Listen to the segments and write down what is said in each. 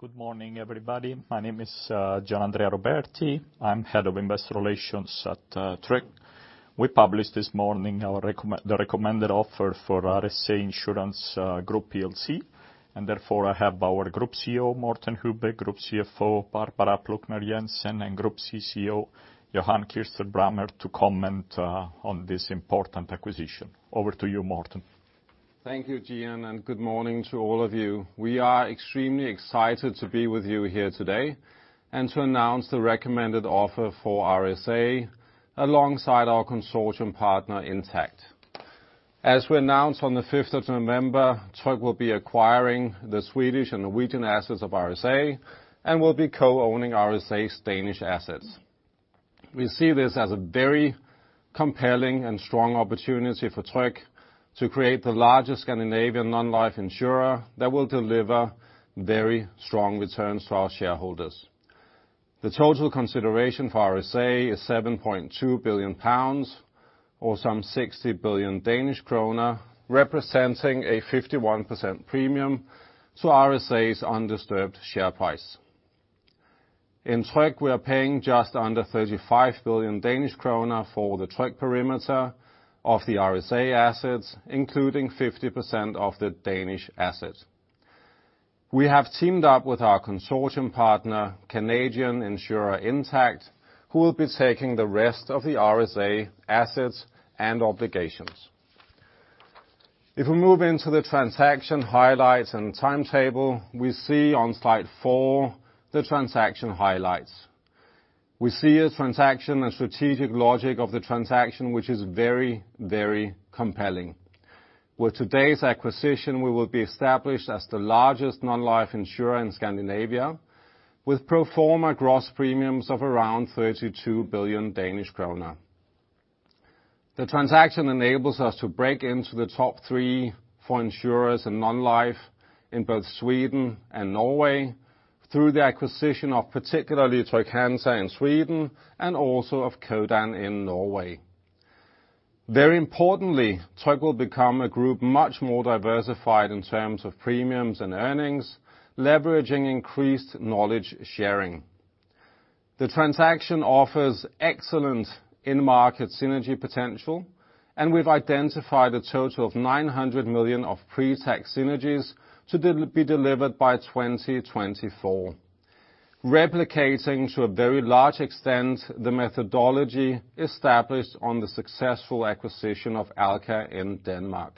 Good morning, everybody. My name is Gianandrea Roberti. I'm head of investor relations at Tryg. We published this morning our recommended offer for RSA Insurance Group PLC, and therefore I have our Group CEO, Morten Hübbe, Group CFO, Barbara Plucnar Jensen, and Group CCO, Johan Kirstein Brammer, to comment on this important acquisition. Over to you, Morten. Thank you, Gian, and good morning to all of you. We are extremely excited to be with you here today and to announce the recommended offer for RSA alongside our consortium partner, Intact. As we announced on the 5th of November, Tryg will be acquiring the Swedish and Norwegian assets of RSA and will be co-owning RSA's Danish assets. We see this as a very compelling and strong opportunity for Tryg to create the largest Scandinavian non-life insurer that will deliver very strong returns to our shareholders. The total consideration for RSA is £7.2 billion, or some 60 billion Danish kroner, representing a 51% premium to RSA's undisturbed share price. In Tryg, we are paying just under 35 billion Danish kroner for the Tryg perimeter of the RSA assets, including 50% of the Danish assets. We have teamed up with our consortium partner, Canadian insurer Intact, who will be taking the rest of the RSA assets and obligations. If we move into the transaction highlights and timetable, we see on slide four the transaction highlights. We see a transaction and strategic logic of the transaction, which is very, very compelling. With today's acquisition, we will be established as the largest non-life insurer in Scandinavia, with pro forma gross premiums of around 32 billion Danish kroner. The transaction enables us to break into the top three for insurers and non-life in both Sweden and Norway through the acquisition of particularly Trygg-Hansa in Sweden and also of Codan in Norway. Very importantly, Tryg will become a group much more diversified in terms of premiums and earnings, leveraging increased knowledge sharing. The transaction offers excellent in-market synergy potential, and we've identified a total of 900 million of pre-tax synergies to be delivered by 2024, replicating to a very large extent the methodology established on the successful acquisition of Alka in Denmark.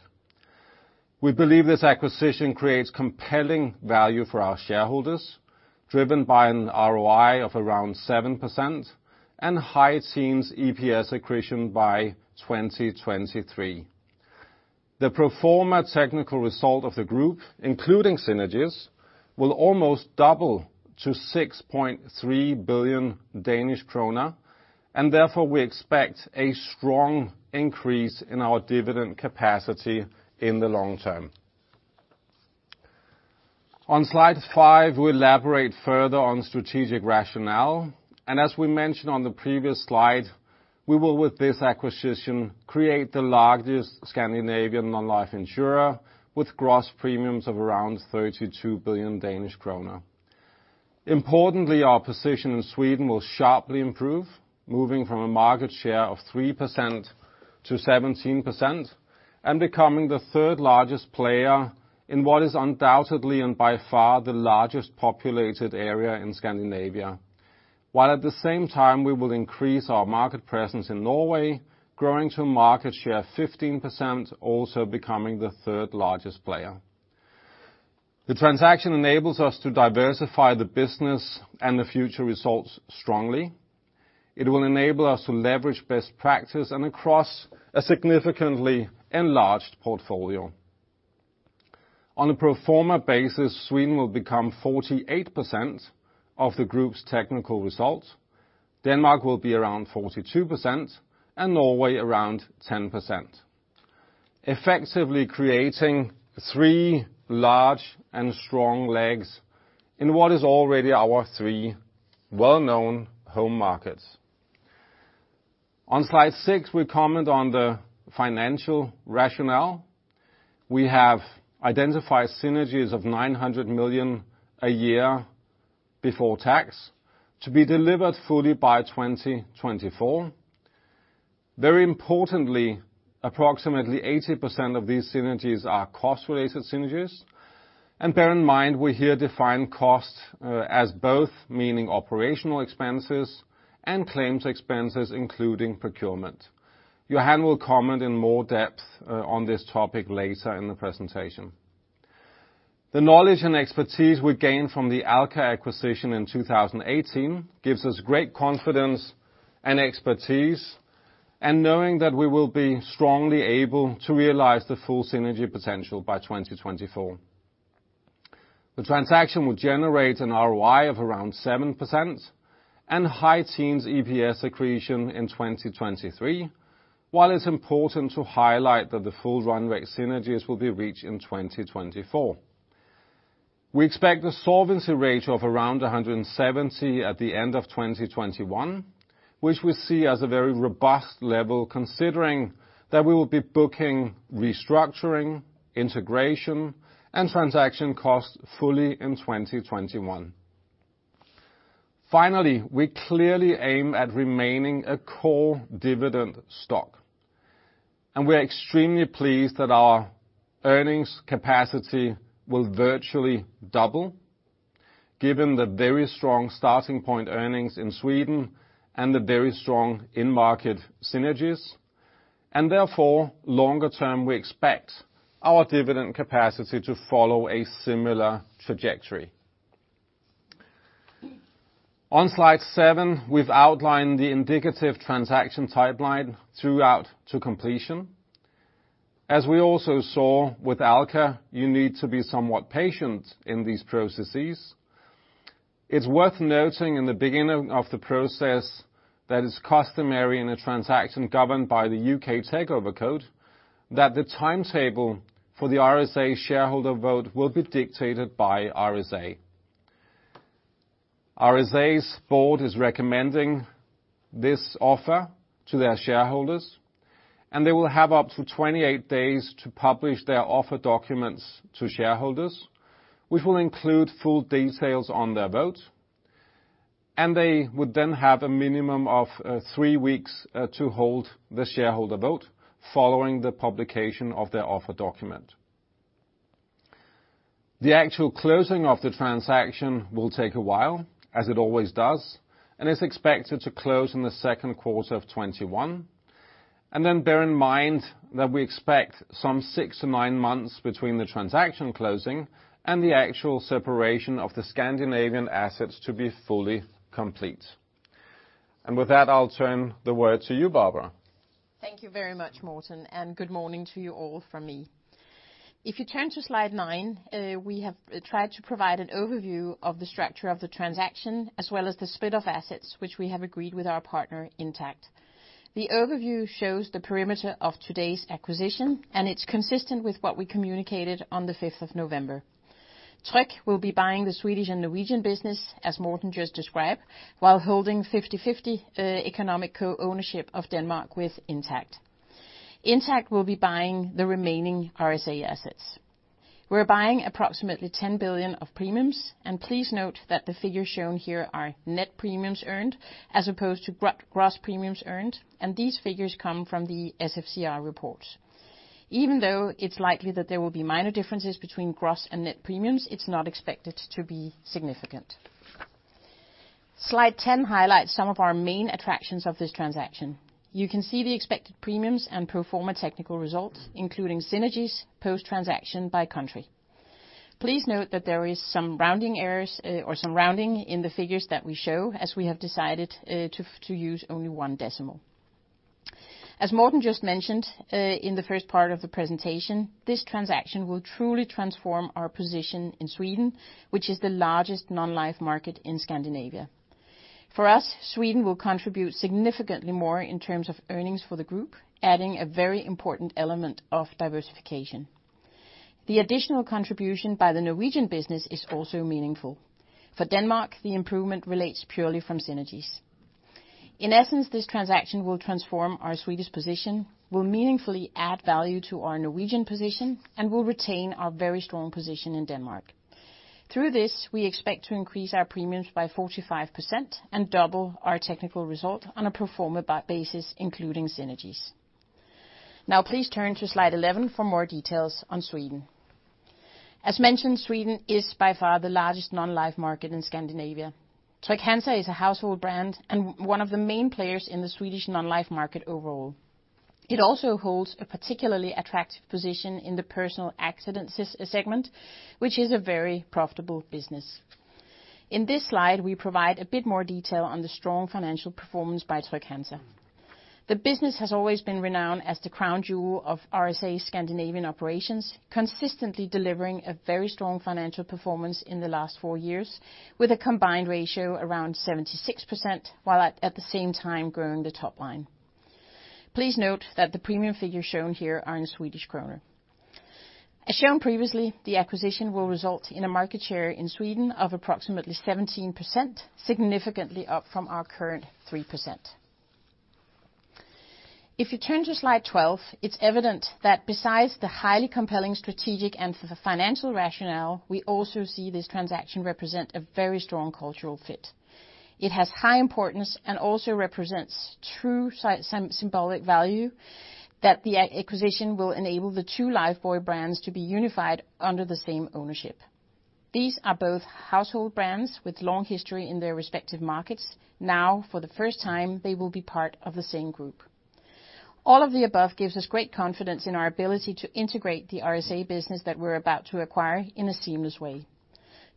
We believe this acquisition creates compelling value for our shareholders, driven by an ROI of around 7% and high-teens EPS accretion by 2023. The pro forma technical result of the group, including synergies, will almost double to 6.3 billion Danish kroner, and therefore we expect a strong increase in our dividend capacity in the long term. On slide five, we elaborate further on strategic rationale, and as we mentioned on the previous slide, we will, with this acquisition, create the largest Scandinavian non-life insurer with gross premiums of around 32 billion Danish kroner. Importantly, our position in Sweden will sharply improve, moving from a market share of 3% to 17% and becoming the third largest player in what is undoubtedly and by far the largest populated area in Scandinavia, while at the same time we will increase our market presence in Norway, growing to a market share of 15%, also becoming the third largest player. The transaction enables us to diversify the business and the future results strongly. It will enable us to leverage best practice and across a significantly enlarged portfolio. On a pro forma basis, Sweden will become 48% of the group's technical result, Denmark will be around 42%, and Norway around 10%, effectively creating three large and strong legs in what is already our three well-known home markets. On slide six, we comment on the financial rationale. We have identified synergies of 900 million a year before tax to be delivered fully by 2024. Very importantly, approximately 80% of these synergies are cost-related synergies, and bear in mind, we here define cost as both meaning operational expenses and claims expenses, including procurement. Johan will comment in more depth on this topic later in the presentation. The knowledge and expertise we gained from the Alka acquisition in 2018 gives us great confidence and expertise, and knowing that we will be strongly able to realize the full synergy potential by 2024. The transaction will generate an ROI of around seven% and high-teens EPS accretion in 2023, while it's important to highlight that the full run-rate synergies will be reached in 2024. We expect a solvency ratio of around 170 at the end of 2021, which we see as a very robust level considering that we will be booking restructuring, integration, and transaction costs fully in 2021. Finally, we clearly aim at remaining a core dividend stock, and we are extremely pleased that our earnings capacity will virtually double given the very strong starting point earnings in Sweden and the very strong in-market synergies, and therefore, longer term, we expect our dividend capacity to follow a similar trajectory. On slide seven, we've outlined the indicative transaction pipeline throughout to completion. As we also saw with Alka, you need to be somewhat patient in these processes. It's worth noting in the beginning of the process that it's customary in a transaction governed by the U.K. Takeover Code that the timetable for the RSA shareholder vote will be dictated by RSA. RSA's board is recommending this offer to their shareholders, and they will have up to 28 days to publish their offer documents to shareholders, which will include full details on their vote. And they would then have a minimum of three weeks to hold the shareholder vote following the publication of their offer document. The actual closing of the transaction will take a while, as it always does, and is expected to close in the second quarter of 2021. And then bear in mind that we expect some six to nine months between the transaction closing and the actual separation of the Scandinavian assets to be fully complete. And with that, I'll turn it over to you, Barbara. Thank you very much, Morten, and good morning to you all from me. If you turn to slide nine, we have tried to provide an overview of the structure of the transaction as well as the split of assets, which we have agreed with our partner, Intact. The overview shows the perimeter of today's acquisition, and it's consistent with what we communicated on the 5th of November. Tryg will be buying the Swedish and Norwegian business, as Morten just described, while holding 50/50, economic co-ownership of Denmark with Intact. Intact will be buying the remaining RSA assets. We're buying approximately 10 billion of premiums, and please note that the figures shown here are net premiums earned as opposed to gross premiums earned, and these figures come from the SFCR reports. Even though it's likely that there will be minor differences between gross and net premiums, it's not expected to be significant. Slide 10 highlights some of our main attractions of this transaction. You can see the expected premiums and pro forma technical results, including synergies post-transaction by country. Please note that there is some rounding errors, or some rounding in the figures that we show as we have decided, to use only one decimal. As Morten just mentioned, in the first part of the presentation, this transaction will truly transform our position in Sweden, which is the largest non-life market in Scandinavia. For us, Sweden will contribute significantly more in terms of earnings for the group, adding a very important element of diversification. The additional contribution by the Norwegian business is also meaningful. For Denmark, the improvement relates purely from synergies. In essence, this transaction will transform our Swedish position, will meaningfully add value to our Norwegian position, and will retain our very strong position in Denmark. Through this, we expect to increase our premiums by 45% and double our technical result on a pro forma basis, including synergies. Now, please turn to slide 11 for more details on Sweden. As mentioned, Sweden is by far the largest non-life market in Scandinavia. Trygg-Hansa is a household brand and one of the main players in the Swedish non-life market overall. It also holds a particularly attractive position in the personal accidents segment, which is a very profitable business. In this slide, we provide a bit more detail on the strong financial performance by Trygg-Hansa. The business has always been renowned as the crown jewel of RSA's Scandinavian operations, consistently delivering a very strong financial performance in the last four years with a combined ratio around 76%, while at the same time growing the top line. Please note that the premium figures shown here are in Swedish kroner. As shown previously, the acquisition will result in a market share in Sweden of approximately 17%, significantly up from our current 3%. If you turn to slide 12, it's evident that besides the highly compelling strategic and financial rationale, we also see this transaction represent a very strong cultural fit. It has high importance and also represents true symbolic value that the acquisition will enable the two Lifebuoy brands to be unified under the same ownership. These are both household brands with long history in their respective markets. Now, for the first time, they will be part of the same group. All of the above gives us great confidence in our ability to integrate the RSA business that we're about to acquire in a seamless way.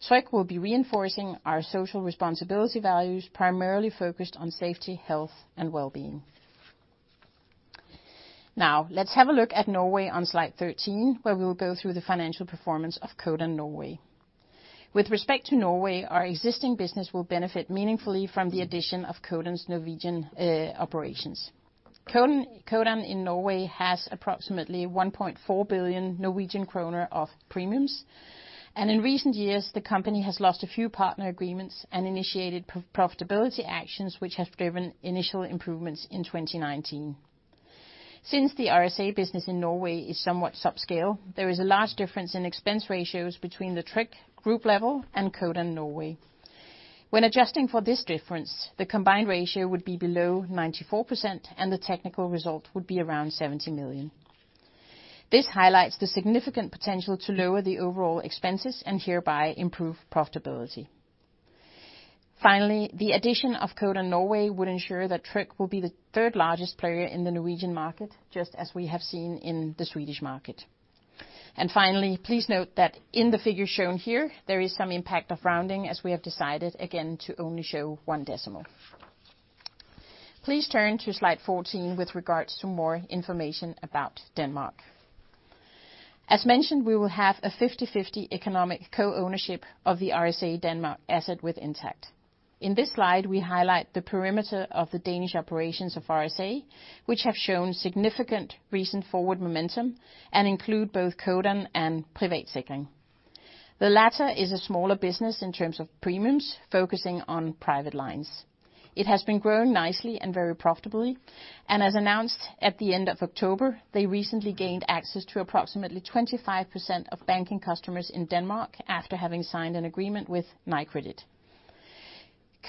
Tryg will be reinforcing our social responsibility values, primarily focused on safety, health, and well-being. Now, let's have a look at Norway on slide 13, where we will go through the financial performance of Codan Norway. With respect to Norway, our existing business will benefit meaningfully from the addition of Codan's Norwegian operations. Codan in Norway has approximately 1.4 billion Norwegian kroner of premiums, and in recent years, the company has lost a few partner agreements and initiated profitability actions, which have driven initial improvements in 2019. Since the RSA business in Norway is somewhat subscale, there is a large difference in expense ratios between the Tryg group level and Codan Norway. When adjusting for this difference, the combined ratio would be below 94%, and the technical result would be around 70 million. This highlights the significant potential to lower the overall expenses and hereby improve profitability. Finally, the addition of Codan Norway would ensure that Tryg will be the third largest player in the Norwegian market, just as we have seen in the Swedish market. And finally, please note that in the figures shown here, there is some impact of rounding, as we have decided again to only show one decimal. Please turn to slide 14 with regards to more information about Denmark. As mentioned, we will have a 50/50 economic co-ownership of the RSA Denmark asset with Intact. In this slide, we highlight the perimeter of the Danish operations of RSA, which have shown significant recent forward momentum and include both Codan and Privatsikring. The latter is a smaller business in terms of premiums, focusing on private lines. It has been growing nicely and very profitably, and as announced at the end of October, they recently gained access to approximately 25% of banking customers in Denmark after having signed an agreement with Nykredit.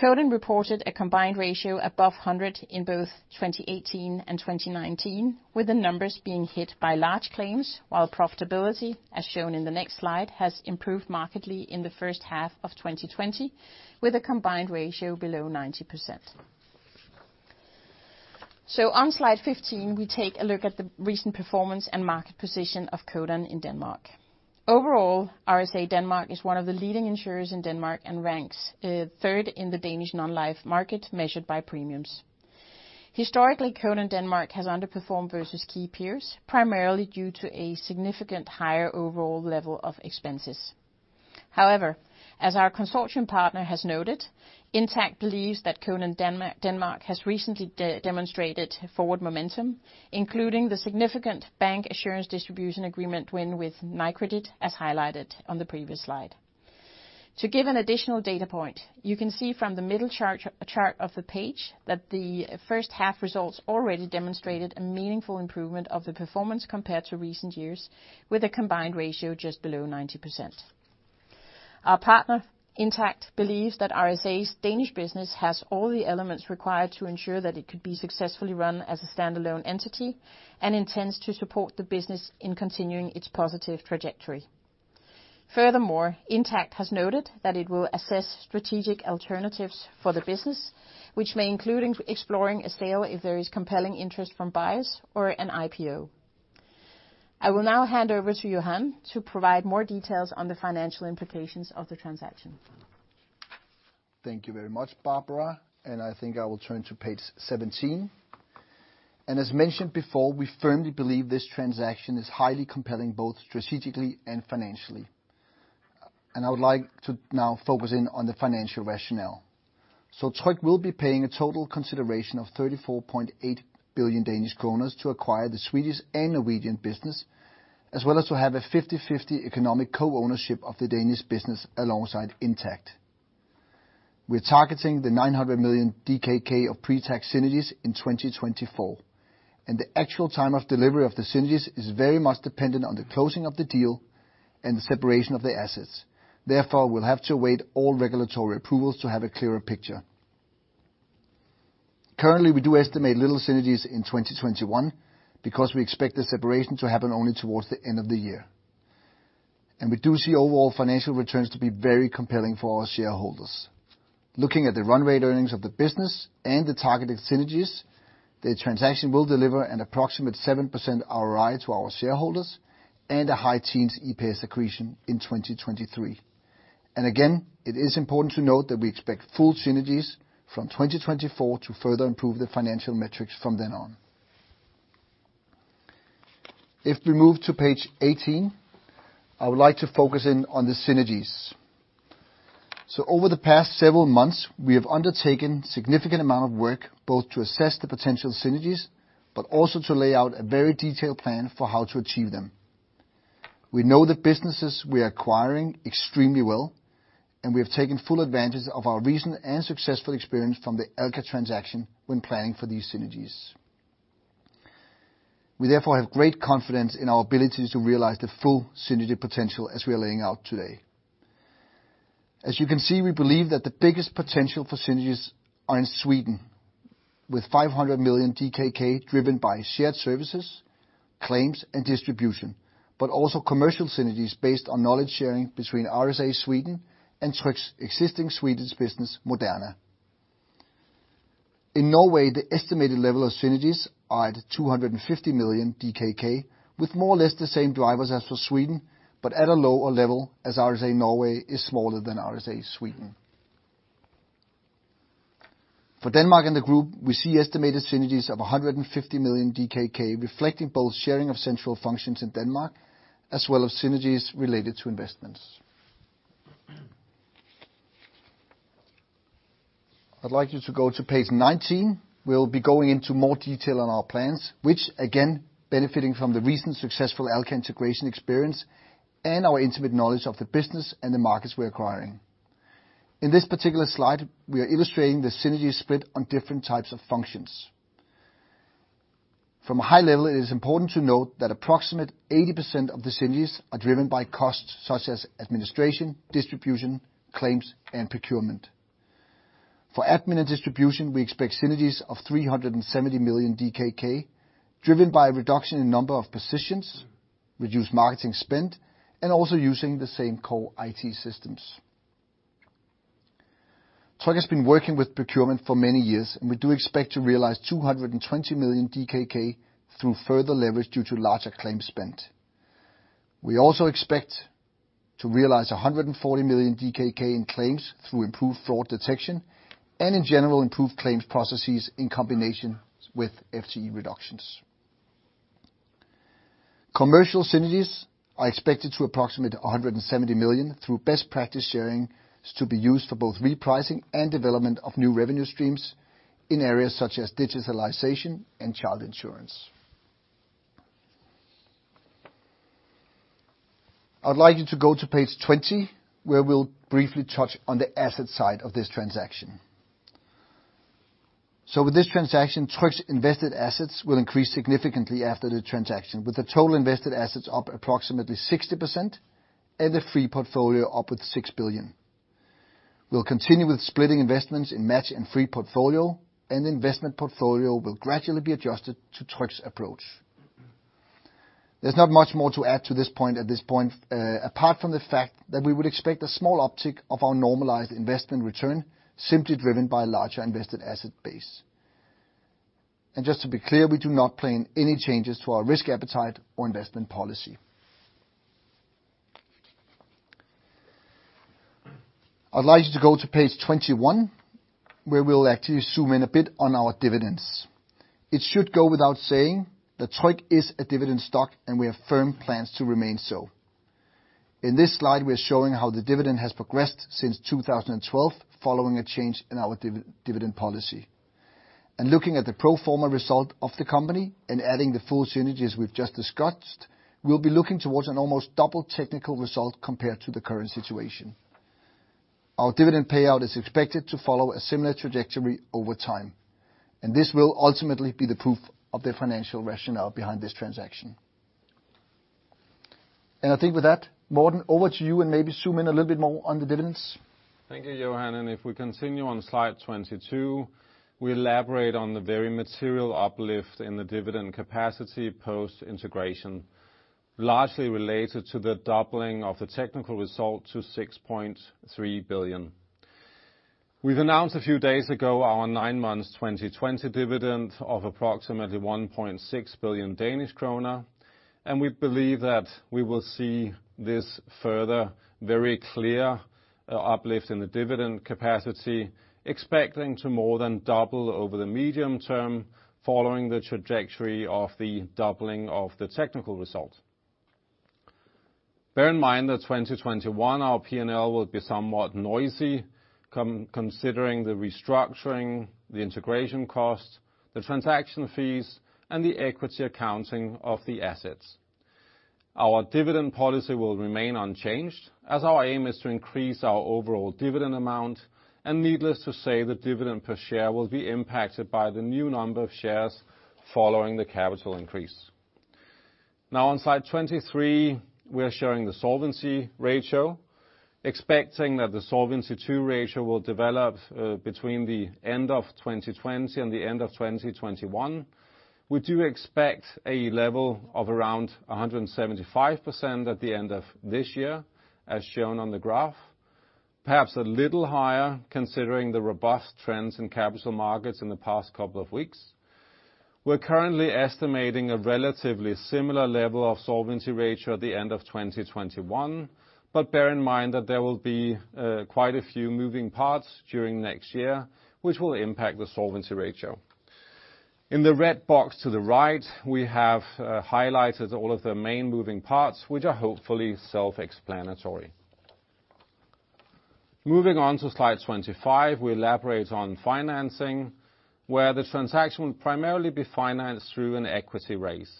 Codan reported a combined ratio above 100 in both 2018 and 2019, with the numbers being hit by large claims, while profitability, as shown in the next slide, has improved markedly in the first half of 2020, with a combined ratio below 90%. So on slide 15, we take a look at the recent performance and market position of Codan in Denmark. Overall, RSA Denmark is one of the leading insurers in Denmark and ranks third in the Danish non-life market measured by premiums. Historically, Codan Denmark has underperformed versus key peers, primarily due to a significant higher overall level of expenses. However, as our consortium partner has noted, Intact believes that Codan Denmark has recently demonstrated forward momentum, including the significant bancassurance distribution agreement win with Nykredit, as highlighted on the previous slide. To give an additional data point, you can see from the middle chart of the page that the first half results already demonstrated a meaningful improvement of the performance compared to recent years, with a combined ratio just below 90%. Our partner, Intact, believes that RSA's Danish business has all the elements required to ensure that it could be successfully run as a standalone entity and intends to support the business in continuing its positive trajectory. Furthermore, Intact has noted that it will assess strategic alternatives for the business, which may include exploring a sale if there is compelling interest from buyers or an IPO. I will now hand over to Johan to provide more details on the financial implications of the transaction. Thank you very much, Barbara, and I think I will turn to page 17. And as mentioned before, we firmly believe this transaction is highly compelling both strategically and financially. And I would like to now focus in on the financial rationale. So Tryg will be paying a total consideration of 34.8 billion Danish kroner to acquire the Swedish and Norwegian business, as well as to have a 50/50 economic co-ownership of the Danish business alongside Intact. We're targeting the 900 million DKK of pre-tax synergies in 2024, and the actual time of delivery of the synergies is very much dependent on the closing of the deal and the separation of the assets. Therefore, we'll have to await all regulatory approvals to have a clearer picture. Currently, we do estimate little synergies in 2021 because we expect the separation to happen only towards the end of the year. And we do see overall financial returns to be very compelling for our shareholders. Looking at the run rate earnings of the business and the targeted synergies, the transaction will deliver an approximate 7% ROI to our shareholders and a high teens EPS accretion in 2023. And again, it is important to note that we expect full synergies from 2024 to further improve the financial meTrygs from then on. If we move to page 18, I would like to focus in on the synergies. So over the past several months, we have undertaken a significant amount of work both to assess the potential synergies, but also to lay out a very detailed plan for how to achieve them. We know the businesses we are acquiring extremely well, and we have taken full advantage of our recent and successful experience from the Alka transaction when planning for these synergies. We therefore have great confidence in our ability to realize the full synergy potential as we are laying out today. As you can see, we believe that the biggest potential for synergies are in Sweden, with 500 million DKK driven by shared services, claims, and distribution, but also commercial synergies based on knowledge sharing between RSA Sweden and Tryg's existing Swedish business, Moderna. In Norway, the estimated level of synergies are at 250 million DKK, with more or less the same drivers as for Sweden, but at a lower level as RSA Norway is smaller than RSA Sweden. For Denmark and the group, we see estimated synergies of 150 million DKK, reflecting both sharing of central functions in Denmark as well as synergies related to investments. I'd like you to go to page 19. We'll be going into more detail on our plans, which again, benefiting from the recent successful Alka integration experience and our intimate knowledge of the business and the markets we're acquiring. In this particular slide, we are illustrating the synergy split on different types of functions. From a high level, it is important to note that approximately 80% of the synergies are driven by costs such as administration, distribution, claims, and procurement. For admin and distribution, we expect synergies of 370 million DKK, driven by a reduction in number of positions, reduced marketing spend, and also using the same core IT systems. Tryg has been working with procurement for many years, and we do expect to realize 220 million DKK through further leverage due to larger claim spend. We also expect to realize 140 million DKK in claims through improved fraud detection and, in general, improved claims processes in combination with FTE reductions. Commercial synergies are expected to approximate 170 million through best practice sharing to be used for both repricing and development of new revenue streams in areas such as digitalization and child insurance. I'd like you to go to page 20, where we'll briefly touch on the asset side of this transaction, so with this transaction, Tryg's invested assets will increase significantly after the transaction, with the total invested assets up approximately 60% and the free portfolio up with 6 billion. We'll continue with splitting investments in match and free portfolio, and the investment portfolio will gradually be adjusted to Tryg's approach. There's not much more to add to this point, apart from the fact that we would expect a small uptick of our normalized investment return, simply driven by a larger invested asset base, and just to be clear, we do not plan any changes to our risk appetite or investment policy. I'd like you to go to page 21, where we'll actually zoom in a bit on our dividends. It should go without saying that Tryg is a dividend stock, and we have firm plans to remain so. In this slide, we're showing how the dividend has progressed since 2012, following a change in our dividend policy, and looking at the pro forma result of the company and adding the full synergies we've just discussed, we'll be looking towards an almost double technical result compared to the current situation. Our dividend payout is expected to follow a similar trajectory over time, and this will ultimately be the proof of the financial rationale behind this transaction. And I think with that, Morten, over to you and maybe zoom in a little bit more on the dividends. Thank you, Johan. If we continue on slide 22, we elaborate on the very material uplift in the dividend capacity post-integration, largely related to the doubling of the technical result to 6.3 billion. We've announced a few days ago our nine months 2020 dividend of approximately 1.6 billion Danish kroner, and we believe that we will see this further very clear uplift in the dividend capacity, expecting to more than double over the medium term following the trajectory of the doubling of the technical result. Bear in mind that 2021, our P&L will be somewhat noisy, considering the restructuring, the integration costs, the transaction fees, and the equity accounting of the assets. Our dividend policy will remain unchanged, as our aim is to increase our overall dividend amount, and needless to say, the dividend per share will be impacted by the new number of shares following the capital increase. Now, on slide 23, we're showing the solvency ratio, expecting that the Solvency II ratio will develop between the end of 2020 and the end of 2021. We do expect a level of around 175% at the end of this year, as shown on the graph, perhaps a little higher considering the robust trends in capital markets in the past couple of weeks. We're currently estimating a relatively similar level of solvency ratio at the end of 2021, but bear in mind that there will be quite a few moving parts during next year, which will impact the solvency ratio. In the red box to the right, we have highlighted all of the main moving parts, which are hopefully self-explanatory. Moving on to slide 25, we elaborate on financing, where the transaction will primarily be financed through an equity raise.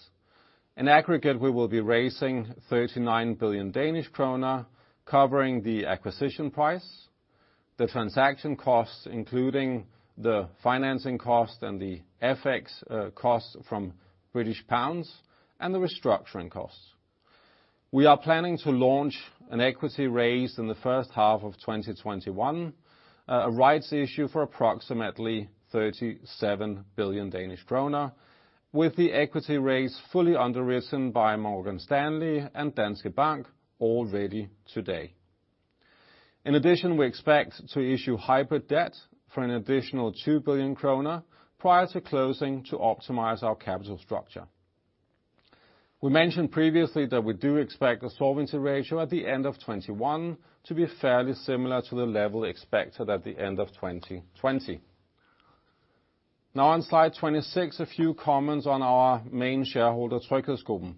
In aggregate, we will be raising 39 billion Danish kroner covering the acquisition price, the transaction costs, including the financing cost and the FX cost from British pounds, and the restructuring costs. We are planning to launch an equity raise in the first half of 2021, a rights issue for approximately 37 billion Danish kroner, with the equity raise fully underwritten by Morgan Stanley and Danske Bank already today. In addition, we expect to issue hybrid debt for an additional 2 billion kroner prior to closing to optimize our capital structure. We mentioned previously that we do expect the solvency ratio at the end of 2021 to be fairly similar to the level expected at the end of 2020. Now, on slide 26, a few comments on our main shareholder, TryghedsGruppen,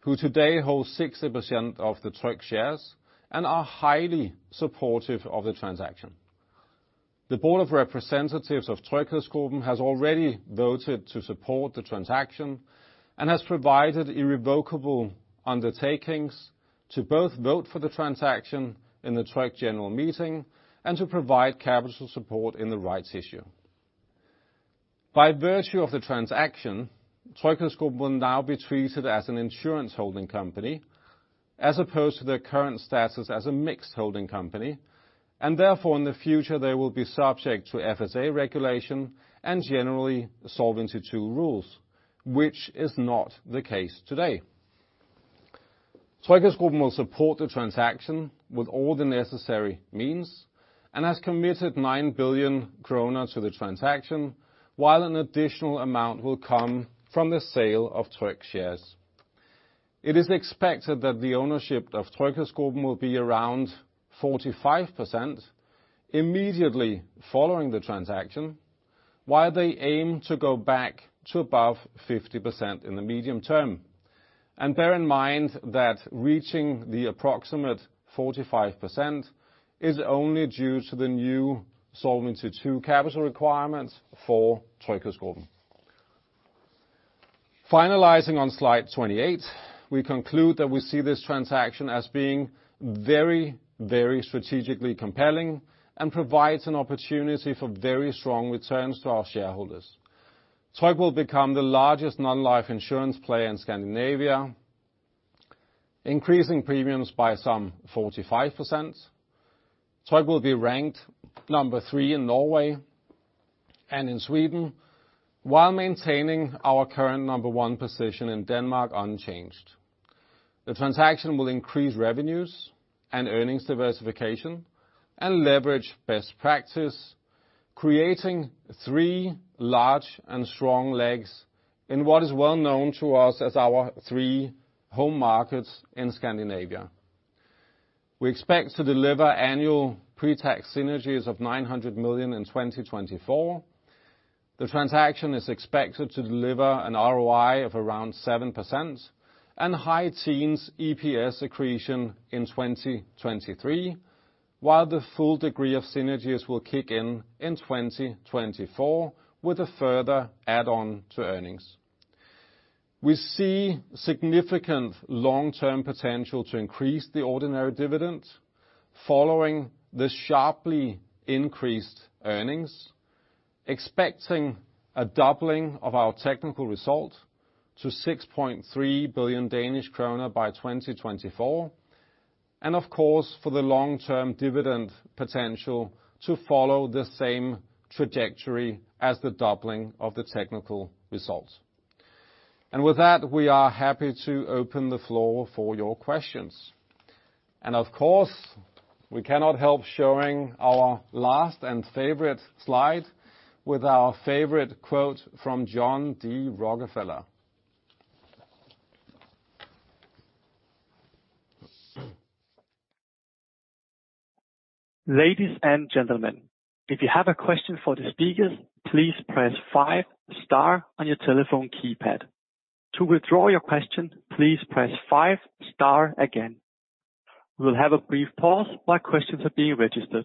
who today holds 60% of the Tryg shares and are highly supportive of the transaction. The Board of Representatives of TryghedsGruppen has already voted to support the transaction and has provided irrevocable undertakings to both vote for the transaction in the Tryg general meeting and to provide capital support in the rights issue. By virtue of the transaction, TryghedsGruppen will now be treated as an insurance holding company as opposed to their current status as a mixed holding company, and therefore in the future, they will be subject to FSA regulation and generally Solvency II rules, which is not the case today. TryghedsGruppen will support the transaction with all the necessary means and has committed GBP 9 billion to the transaction, while an additional amount will come from the sale of Tryg shares. It is expected that the ownership of TryghedsGruppen will be around 45% immediately following the transaction, while they aim to go back to above 50% in the medium term. And bear in mind that reaching the approximate 45% is only due to the new Solvency II capital requirements for TryghedsGruppen. Finalizing on slide 28, we conclude that we see this transaction as being very, very strategically compelling and provides an opportunity for very strong returns to our shareholders. Tryg will become the largest non-life insurance player in Scandinavia, increasing premiums by some 45%. Tryg will be ranked number three in Norway and in Sweden, while maintaining our current number one position in Denmark unchanged. The transaction will increase revenues and earnings diversification and leverage best practice, creating three large and strong legs in what is well known to us as our three home markets in Scandinavia. We expect to deliver annual pre-tax synergies of 900 million in 2024. The transaction is expected to deliver an ROI of around 7% and high teens EPS accretion in 2023, while the full degree of synergies will kick in in 2024 with a further add-on to earnings. We see significant long-term potential to increase the ordinary dividend following the sharply increased earnings, expecting a doubling of our technical result to 6.3 billion Danish kroner by 2024, and of course, for the long-term dividend potential to follow the same trajectory as the doubling of the technical result. And with that, we are happy to open the floor for your questions. And of course, we cannot help showing our last and favorite slide with our favorite quote from John D. Rockefeller. Ladies and gentlemen, if you have a question for the speakers, please press five star on your telephone keypad. To withdraw your question, please press five star again. We will have a brief pause while questions are being registered.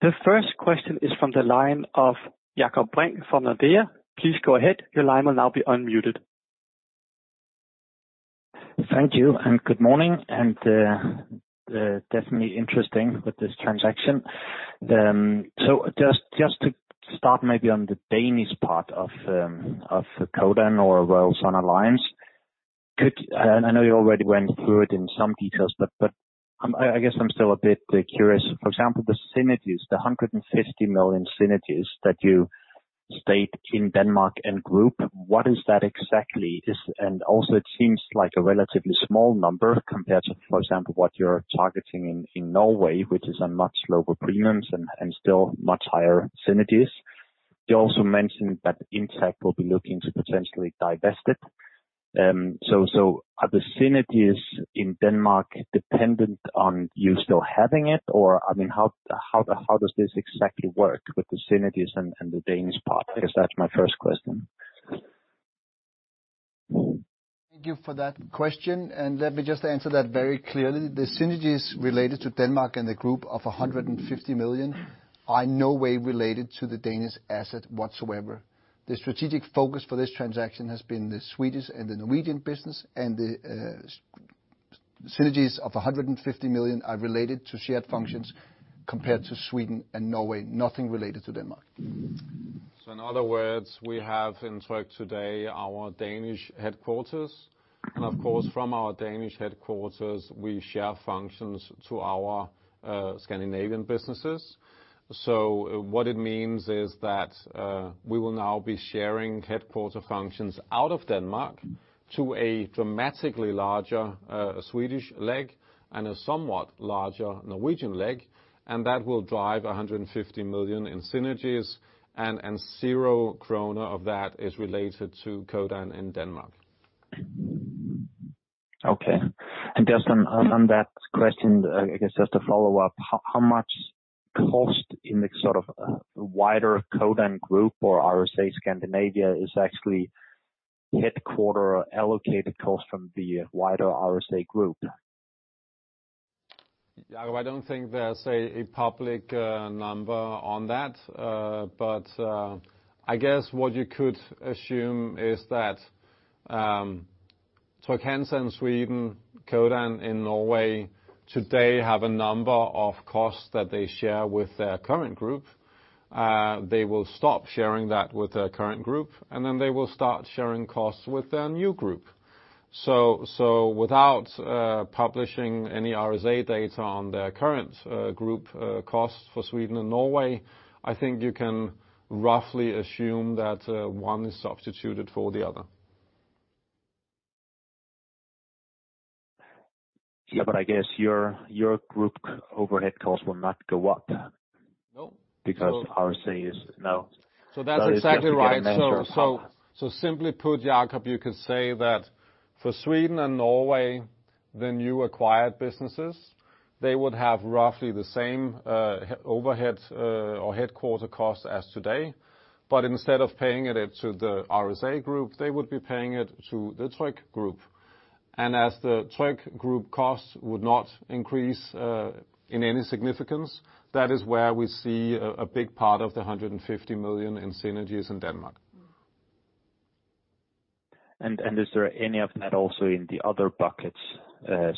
The first question is from the line of Jakob Brink from Nordea. Please go ahead. Your line will now be unmuted. Thank you and good morning. Definitely interesting with this transaction. Just to start maybe on the Danish part of Codan, or well, on alliance, I know you already went through it in some details, but I guess I'm still a bit curious. For example, the synergies, the £150 million synergies that you state in Denmark and group, what is that exactly? And also, it seems like a relatively small number compared to, for example, what you're targeting in Norway, which is a much lower premiums and still much higher synergies. You also mentioned that Intact will be looking to potentially divest it. Are the synergies in Denmark dependent on you still having it? Or I mean, how does this exactly work with the synergies and the Danish part? I guess that's my first question. Thank you for that question. And let me just answer that very clearly. The synergies related to Denmark and the group of 150 million are in no way related to the Danish asset whatsoever. The strategic focus for this transaction has been the Swedish and the Norwegian business, and the synergies of 150 million are related to shared functions compared to Sweden and Norway, nothing related to Denmark. So in other words, we have in Tryg today our Danish headquarters. And of course, from our Danish headquarters, we share functions to our Scandinavian businesses. So what it means is that we will now be sharing headquarter functions out of Denmark to a dramatically larger Swedish leg and a somewhat larger Norwegian leg. And that will drive 150 million in synergies, and 0 kroner of that is related to Codan in Denmark. Okay. And just on that question, I guess just to follow up, how much cost in the sort of wider Codan group or RSA Scandinavia is actually headquarters allocated cost from the wider RSA group? Jakob, I don't think there's a public number on that, but I guess what you could assume is that Trygg-Hansa Sweden, Codan in Norway today have a number of costs that they share with their current group. They will stop sharing that with their current group, and then they will start sharing costs with their new group. So without publishing any RSA data on their current group costs for Sweden and Norway, I think you can roughly assume that one is substituted for the other. Yeah, but I guess your group overhead costs will not go up because RSA is now. That's exactly right. Simply put, Jakob, you could say that for Sweden and Norway, the new acquired businesses, they would have roughly the same overhead or headquarter cost as today. But instead of paying it to the RSA group, they would be paying it to the Tryg group. And as the Tryg group costs would not increase in any significance, that is where we see a big part of the 150 million in synergies in Denmark. And is there any of that also in the other buckets?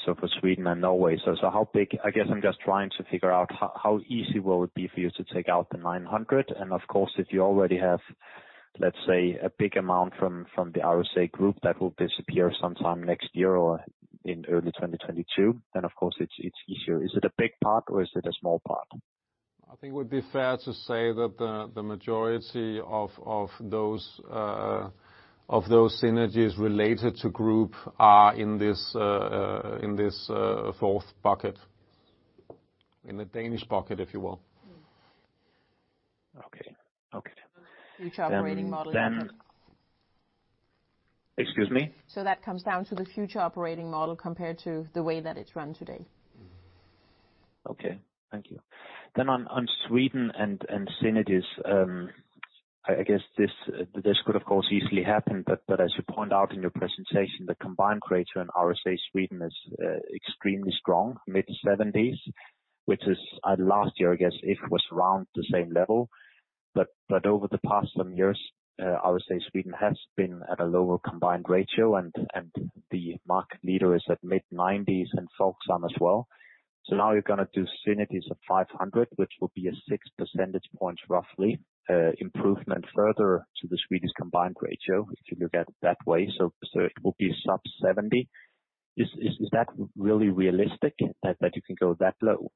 So for Sweden and Norway, so how big? I guess I'm just trying to figure out how easy will it be for you to take out the 900? And of course, if you already have, let's say, a big amount from the RSA group that will disappear sometime next year or in early 2022, then of course, it's easier. Is it a big part or is it a small part? I think it would be fair to say that the majority of those synergies related to group are in this fourth bucket, in the Danish bucket, if you will. Okay. Okay. Future operating model then. Excuse me? So that comes down to the future operating model compared to the way that it's run today. Okay. Thank you. Then on Sweden and synergies, I guess this could, of course, easily happen, but as you point out in your presentation, the combined ratio in RSA Sweden is extremely strong, mid-70s, which is last year, I guess, if it was around the same level. But over the past some years, RSA Sweden has been at a lower combined ratio, and the market leader is at mid-90s and Folksam as well. So now you're going to do synergies of 500, which will be a 6 percentage points roughly improvement further to the Swedish combined ratio if you look at it that way. So it will be sub-70. Is that really realistic that you can go that low?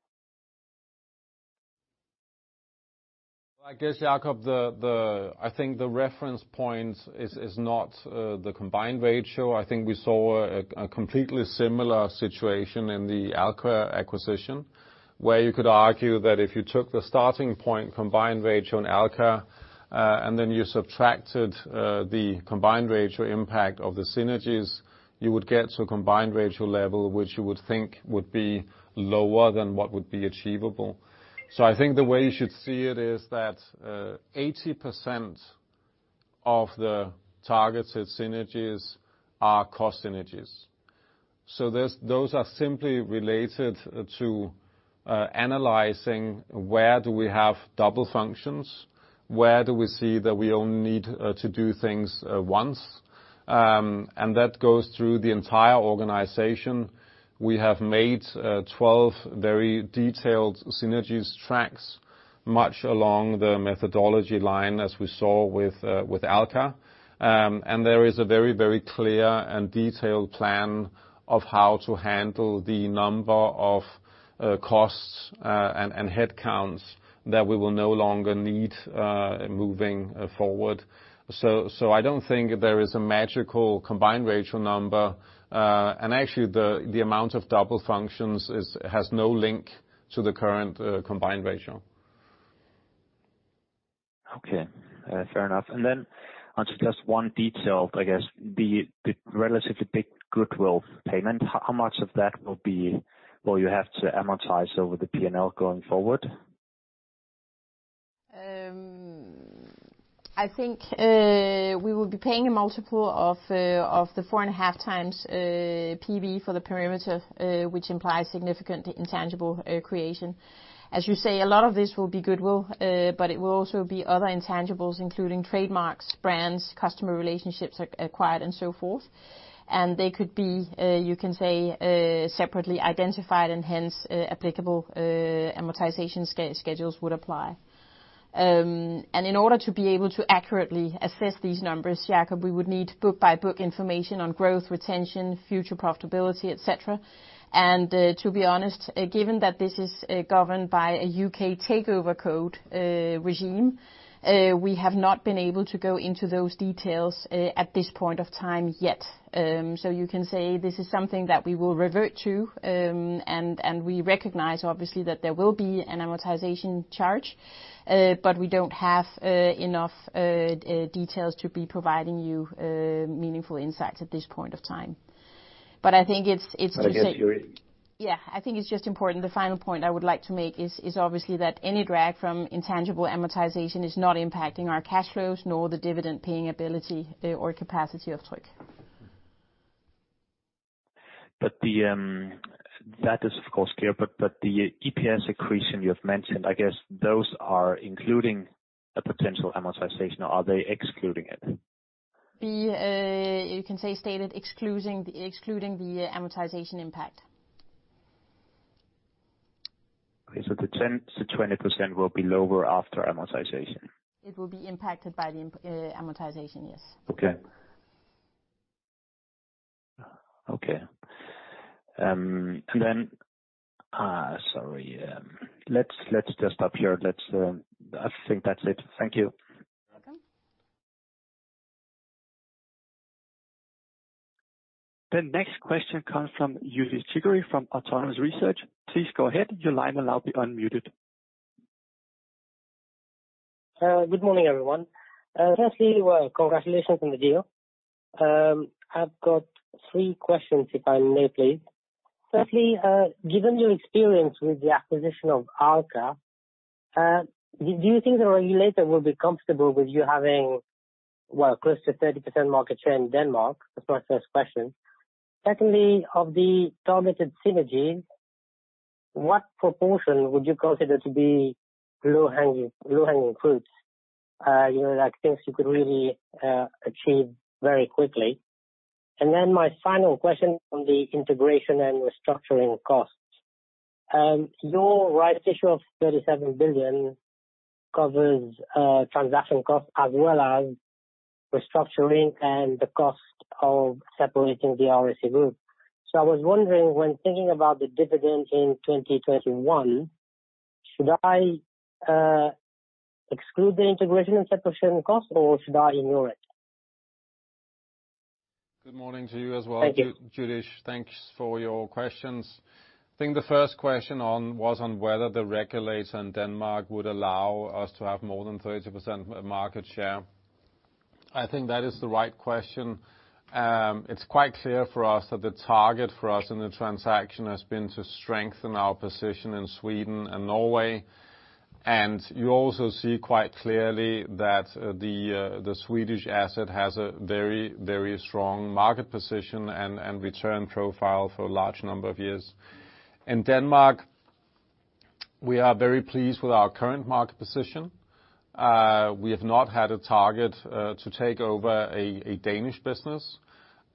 I guess, Jakob, I think the reference point is not the combined ratio. I think we saw a completely similar situation in the Alka acquisition, where you could argue that if you took the starting point combined ratio in Alka and then you subtracted the combined ratio impact of the synergies, you would get to a combined ratio level which you would think would be lower than what would be achievable. So I think the way you should see it is that 80% of the targeted synergies are cost synergies. So those are simply related to analyzing where do we have double functions, where do we see that we only need to do things once. And that goes through the entire organization. We have made 12 very detailed synergy tracks much along the methodology line as we saw with Alka. There is a very, very clear and detailed plan of how to handle the number of costs and headcounts that we will no longer need moving forward. I don't think there is a magical combined ratio number. Actually, the amount of double functions has no link to the current combined ratio. Okay. Fair enough. And then onto just one detail, I guess, the relatively big goodwill payment. How much of that will you have to amortize over the P&L going forward? I think we will be paying a multiple of four and a half times PB for the perimeter, which implies significant intangible creation. As you say, a lot of this will be goodwill, but it will also be other intangibles, including trademarks, brands, customer relationships acquired, and so forth. They could be, you can say, separately identified, and hence applicable amortization schedules would apply. In order to be able to accurately assess these numbers, Jakob, we would need book-by-book information on growth, retention, future profitability, etc. To be honest, given that this is governed by a U.K. Takeover Code regime, we have not been able to go into those details at this point of time yet. You can say this is something that we will revert to. We recognize, obviously, that there will be an amortization charge, but we don't have enough details to be providing you meaningful insights at this point of time. I think it's just. But I guess you're. Yeah, I think it's just important the final point I would like to make is obviously that any drag from intangible amortization is not impacting our cash flows nor the dividend paying ability or capacity of Tryg. But that is, of course, clear. But the EPS accretion you have mentioned, I guess those are including a potential amortization or are they excluding it? We, you can say, stated, excluding the amortization impact. Okay, so the 20% will be lower after amortization. It will be impacted by the amortization, yes. Okay. Okay. And then, sorry, let's just stop here. I think that's it. Thank you. You're welcome. The next question comes from Julius Chiggiato from Autonomous Research. Please go ahead. Your line will now be unmuted. Good morning, everyone. Firstly, well, congratulations on the deal. I've got three questions, if I may, please. Firstly, given your experience with the acquisition of Alka, do you think the regulator will be comfortable with you having, well, close to 30% market share in Denmark? That's my first question. Secondly, of the targeted synergies, what proportion would you consider to be low-hanging fruits, like things you could really achieve very quickly? And then my final question on the integration and restructuring costs. Your rights issue of 37 billion covers transaction costs as well as restructuring and the cost of separating the RSA group. So I was wondering, when thinking about the dividend in 2021, should I exclude the integration and separation costs, or should I ignore it? Good morning to you as well, Julius. Thank you. Thanks for your questions. I think the first question was on whether the regulators in Denmark would allow us to have more than 30% market share. I think that is the right question. It's quite clear for us that the target for us in the transaction has been to strengthen our position in Sweden and Norway. And you also see quite clearly that the Swedish asset has a very, very strong market position and return profile for a large number of years. In Denmark, we are very pleased with our current market position. We have not had a target to take over a Danish business,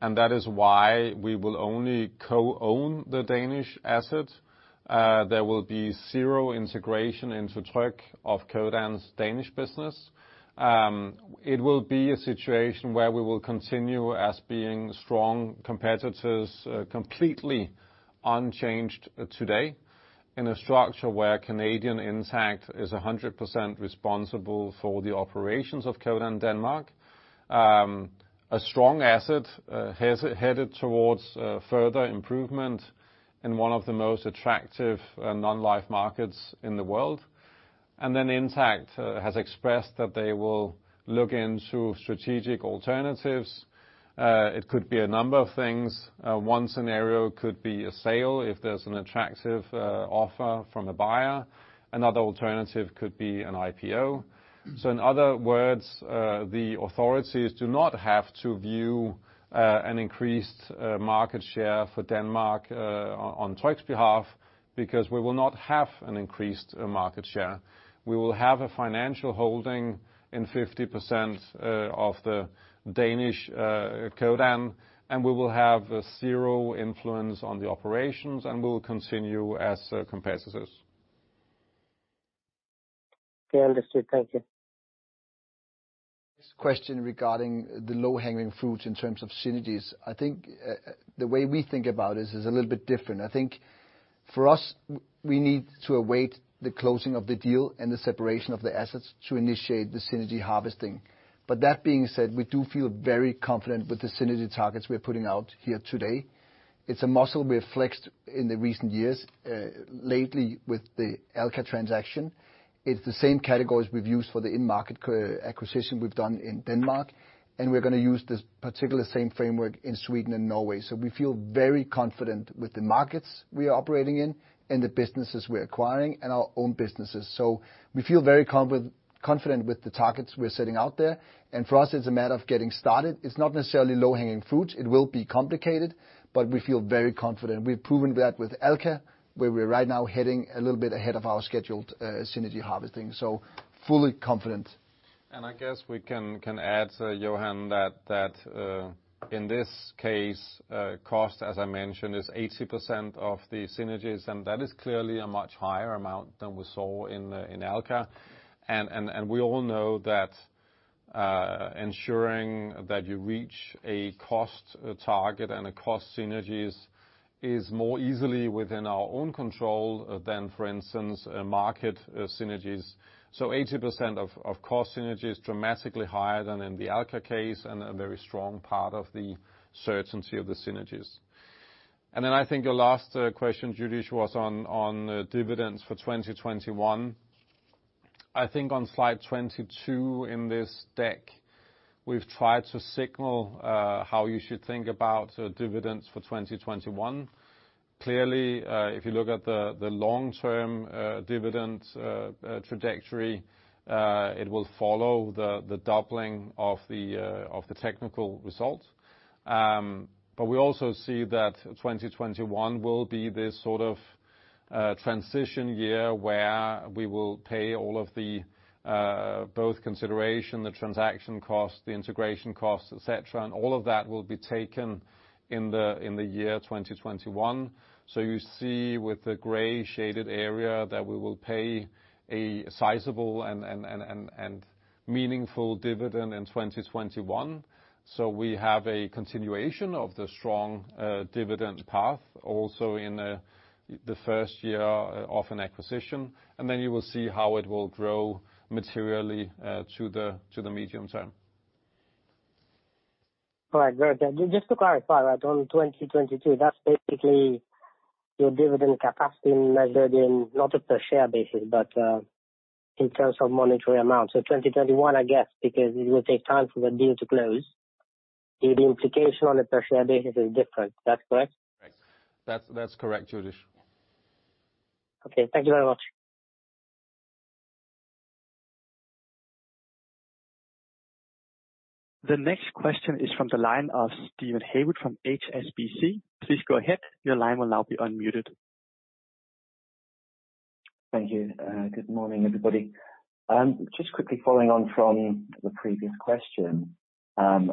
and that is why we will only co-own the Danish asset. There will be zero integration into Tryg of Codan's Danish business. It will be a situation where we will continue as being strong competitors, completely unchanged today, in a structure where Canadian Intact is 100% responsible for the operations of Codan Denmark. A strong asset headed towards further improvement in one of the most attractive non-life markets in the world, and then Intact has expressed that they will look into strategic alternatives. It could be a number of things. One scenario could be a sale if there's an attractive offer from a buyer. Another alternative could be an IPO. So in other words, the authorities do not have to view an increased market share for Denmark on Tryg's behalf because we will not have an increased market share. We will have a financial holding in 50% of the Danish Codan, and we will have zero influence on the operations, and we will continue as competitors. Okay, understood. Thank you. This question regarding the low-hanging fruit in terms of synergies, I think the way we think about it is a little bit different. I think for us, we need to await the closing of the deal and the separation of the assets to initiate the synergy harvesting. But that being said, we do feel very confident with the synergy targets we're putting out here today. It's a muscle we have flexed in the recent years, lately with the Alka transaction. It's the same categories we've used for the in-market acquisition we've done in Denmark, and we're going to use this particular same framework in Sweden and Norway. So we feel very confident with the markets we are operating in and the businesses we're acquiring and our own businesses. So we feel very confident with the targets we're setting out there and for us, it's a matter of getting started. It's not necessarily low-hanging fruit. It will be complicated, but we feel very confident. We've proven that with Alka, where we're right now heading a little bit ahead of our scheduled synergy harvesting. So fully confident. I guess we can add, Johan, that in this case, cost, as I mentioned, is 80% of the synergies, and that is clearly a much higher amount than we saw in Alka. We all know that ensuring that you reach a cost target and a cost synergy is more easily within our own control than, for instance, market synergies. 80% of cost synergy is dramatically higher than in the Alka case and a very strong part of the certainty of the synergies. Then I think your last question, Julius, was on dividends for 2021. On slide 22 in this deck, we've tried to signal how you should think about dividends for 2021. Clearly, if you look at the long-term dividend trajectory, it will follow the doubling of the technical result. But we also see that 2021 will be this sort of transition year where we will pay all of the both consideration, the transaction costs, the integration costs, etc., and all of that will be taken in the year 2021. So you see with the gray shaded area that we will pay a sizable and meaningful dividend in 2021. So we have a continuation of the strong dividend path also in the first year of an acquisition. And then you will see how it will grow materially to the medium term. All right. Just to clarify, right, on 2022, that's basically your dividend capacity measured in not a per-share basis, but in terms of monetary amount. So 2021, I guess, because it will take time for the deal to close, the implication on a per-share basis is different. That's correct? Right. That's correct, Julius. Okay. Thank you very much. The next question is from the line of Steven Haywood from HSBC. Please go ahead. Your line will now be unmuted. Thank you. Good morning, everybody. Just quickly following on from the previous question and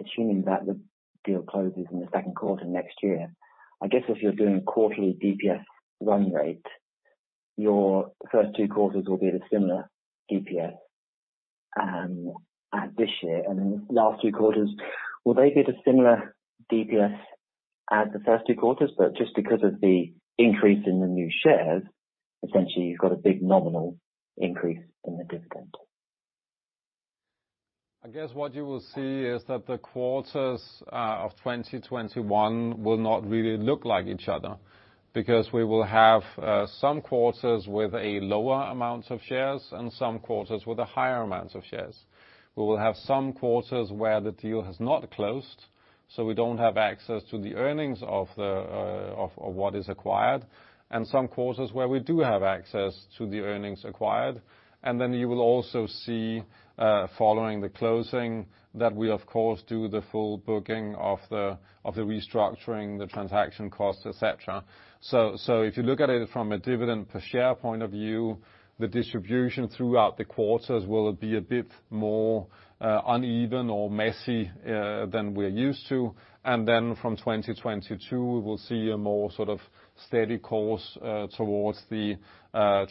assuming that the deal closes in the second quarter next year, I guess if you're doing quarterly DPS run rate, your first two quarters will be the similar DPS as this year. And then the last two quarters, will they be the similar DPS as the first two quarters? But just because of the increase in the new shares, essentially, you've got a big nominal increase in the dividend. I guess what you will see is that the quarters of 2021 will not really look like each other because we will have some quarters with a lower amount of shares and some quarters with a higher amount of shares. We will have some quarters where the deal has not closed, so we don't have access to the earnings of what is acquired, and some quarters where we do have access to the earnings acquired. And then you will also see following the closing that we, of course, do the full booking of the restructuring, the transaction costs, etc. So if you look at it from a dividend per share point of view, the distribution throughout the quarters will be a bit more uneven or messy than we're used to. And then from 2022, we will see a more sort of steady course towards the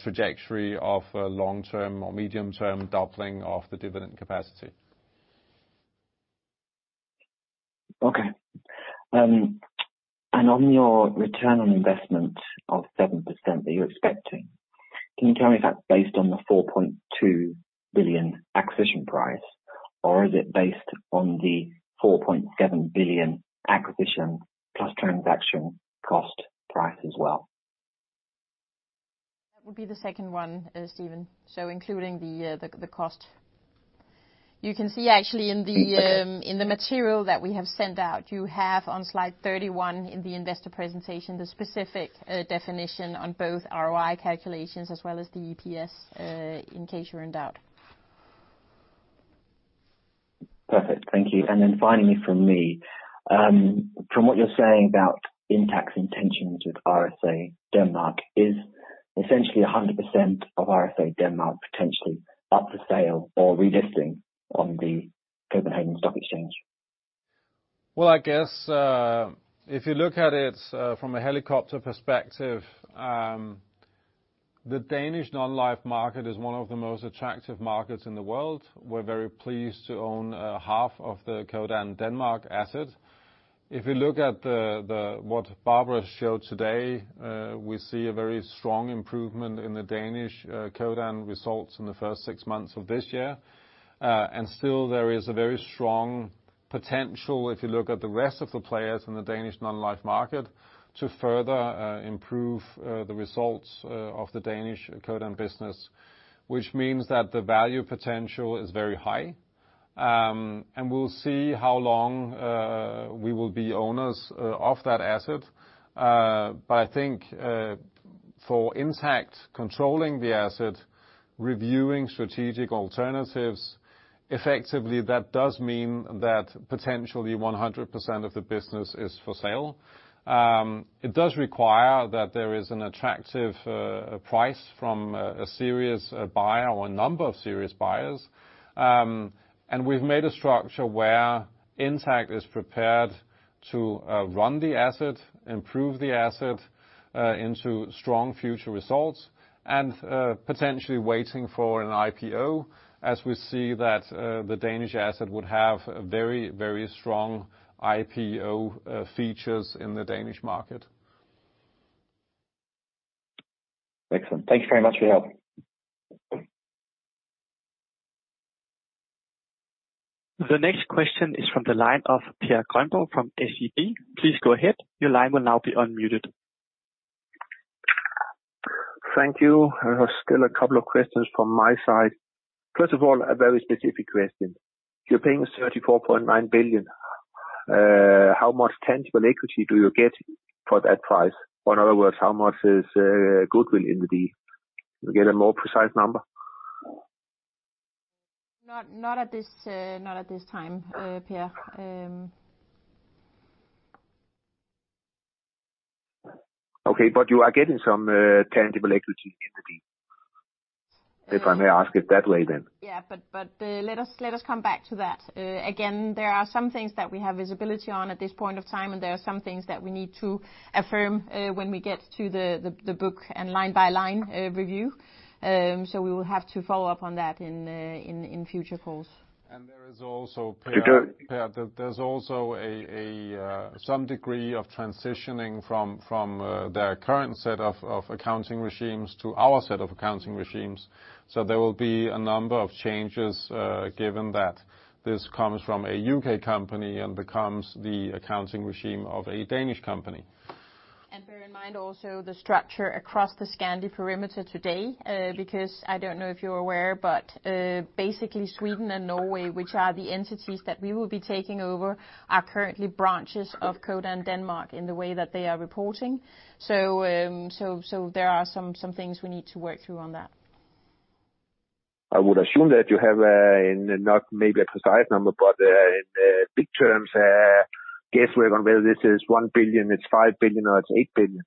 trajectory of long-term or medium-term doubling of the dividend capacity. Okay, and on your return on investment of 7% that you're expecting, can you tell me if that's based on the 4.2 billion acquisition price, or is it based on the 4.7 billion acquisition plus transaction cost price as well? That would be the second one, Steven. So including the cost. You can see actually in the material that we have sent out, you have on slide 31 in the investor presentation the specific definition on both ROI calculations as well as the EPS in case you're in doubt. Perfect. Thank you. And then finally from me, from what you're saying about Intact's intentions with RSA Denmark, is essentially 100% of RSA Denmark potentially up for sale or relisting on the Copenhagen Stock Exchange? Well, I guess if you look at it from a helicopter perspective, the Danish non-life market is one of the most attractive markets in the world. We're very pleased to own half of the Codan Denmark asset. If you look at what Barbara showed today, we see a very strong improvement in the Danish Codan results in the first six months of this year. And still, there is a very strong potential if you look at the rest of the players in the Danish non-life market to further improve the results of the Danish Codan business, which means that the value potential is very high. And we'll see how long we will be owners of that asset. But I think for Intact controlling the asset, reviewing strategic alternatives, effectively, that does mean that potentially 100% of the business is for sale. It does require that there is an attractive price from a serious buyer or a number of serious buyers. And we've made a structure where Intact is prepared to run the asset, improve the asset into strong future results, and potentially waiting for an IPO as we see that the Danish asset would have very, very strong IPO features in the Danish market. Excellent. Thank you very much for your help. The next question is from the line of Per Grönborg from SEB. Please go ahead. Your line will now be unmuted. Thank you. There are still a couple of questions from my side. First of all, a very specific question. You're paying 34.9 billion. How much tangible equity do you get for that price? Or in other words, how much is goodwill in the deal? Can you get a more precise number? Not at this time, Per. Okay. But you are getting some tangible equity in the deal, if I may ask it that way then? Yeah. But let us come back to that. Again, there are some things that we have visibility on at this point of time, and there are some things that we need to affirm when we get to the book and line-by-line review. So we will have to follow up on that in future calls. There is also Per. There's also some degree of transitioning from their current set of accounting regimes to our set of accounting regimes. So there will be a number of changes given that this comes from a U.K. company and becomes the accounting regime of a Danish company. Bear in mind also the structure across the Scandi perimeter today because I don't know if you're aware, but basically Sweden and Norway, which are the entities that we will be taking over, are currently branches of Codan Denmark in the way that they are reporting. So there are some things we need to work through on that. I would assume that you have not maybe a precise number, but in big terms, guesswork on whether this is one billion, it's five billion, or it's eight billion.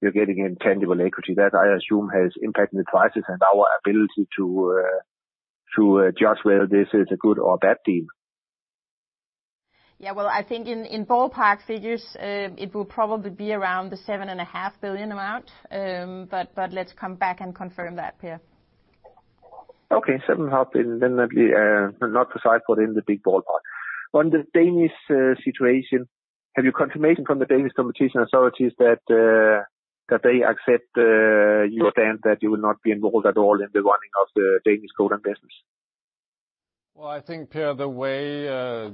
You're getting tangible equity. That I assume has impacted the prices and our ability to judge whether this is a good or bad deal. Yeah. Well, I think in ballpark figures, it will probably be around the 7.5 billion amount. But let's come back and confirm that, Per. Okay. 7.5 billion, definitely not precise, but in the big ballpark. On the Danish situation, have you confirmation from the Danish Competition Authorities that they accept your stance that you will not be involved at all in the running of the Danish Codan business? Well, I think, Per, the way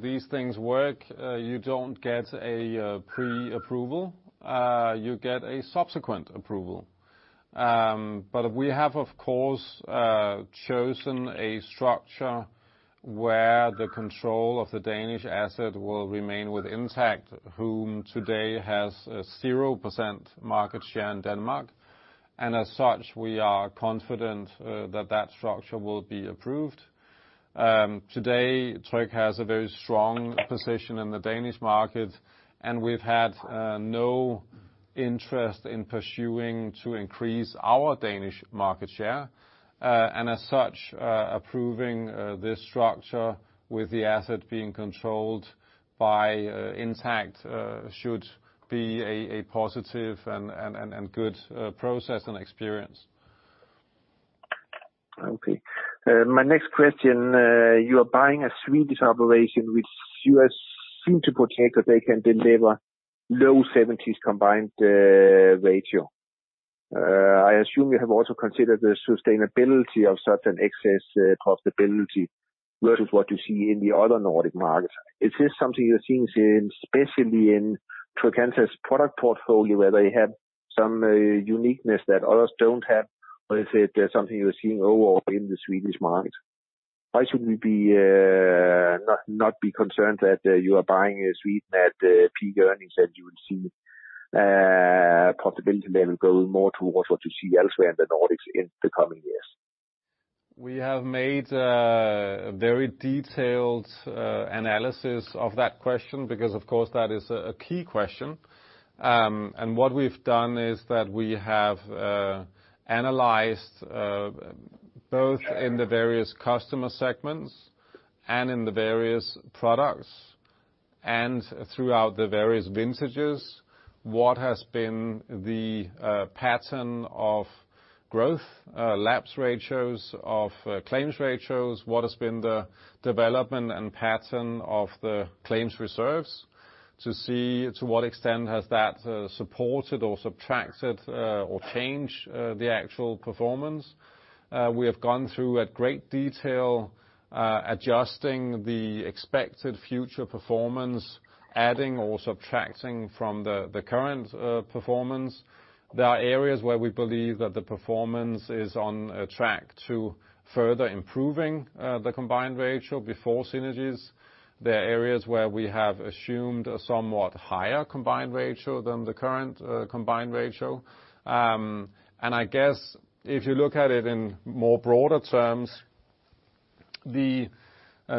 these things work, you don't get a pre-approval. You get a subsequent approval. But we have, of course, chosen a structure where the control of the Danish asset will remain with Intact, whom today has a 0% market share in Denmark. And as such, we are confident that that structure will be approved. Today, Tryg has a very strong position in the Danish market, and we've had no interest in pursuing to increase our Danish market share. And as such, approving this structure with the asset being controlled by Intact should be a positive and good process and experience. Okay. My next question, you are buying a Swedish operation which you seem to project that they can deliver low 70s combined ratio. I assume you have also considered the sustainability of such an excess profitability versus what you see in the other Nordic markets. Is this something you're seeing especially in Trygg-Hansa's product portfolio, where they have some uniqueness that others don't have? Or is it something you're seeing overall in the Swedish market? Why should we not be concerned that you are buying Sweden at peak earnings and you would see profitability level go more towards what you see elsewhere in the Nordics in the coming years? We have made a very detailed analysis of that question because, of course, that is a key question. And what we've done is that we have analyzed both in the various customer segments and in the various products and throughout the various vintages what has been the pattern of growth, lapse ratios of claims ratios, what has been the development and pattern of the claims reserves to see to what extent has that supported or subtracted or changed the actual performance. We have gone through at great detail adjusting the expected future performance, adding or subtracting from the current performance. There are areas where we believe that the performance is on track to further improving the combined ratio before synergies. There are areas where we have assumed a somewhat higher combined ratio than the current combined ratio. I guess if you look at it in more broader terms, the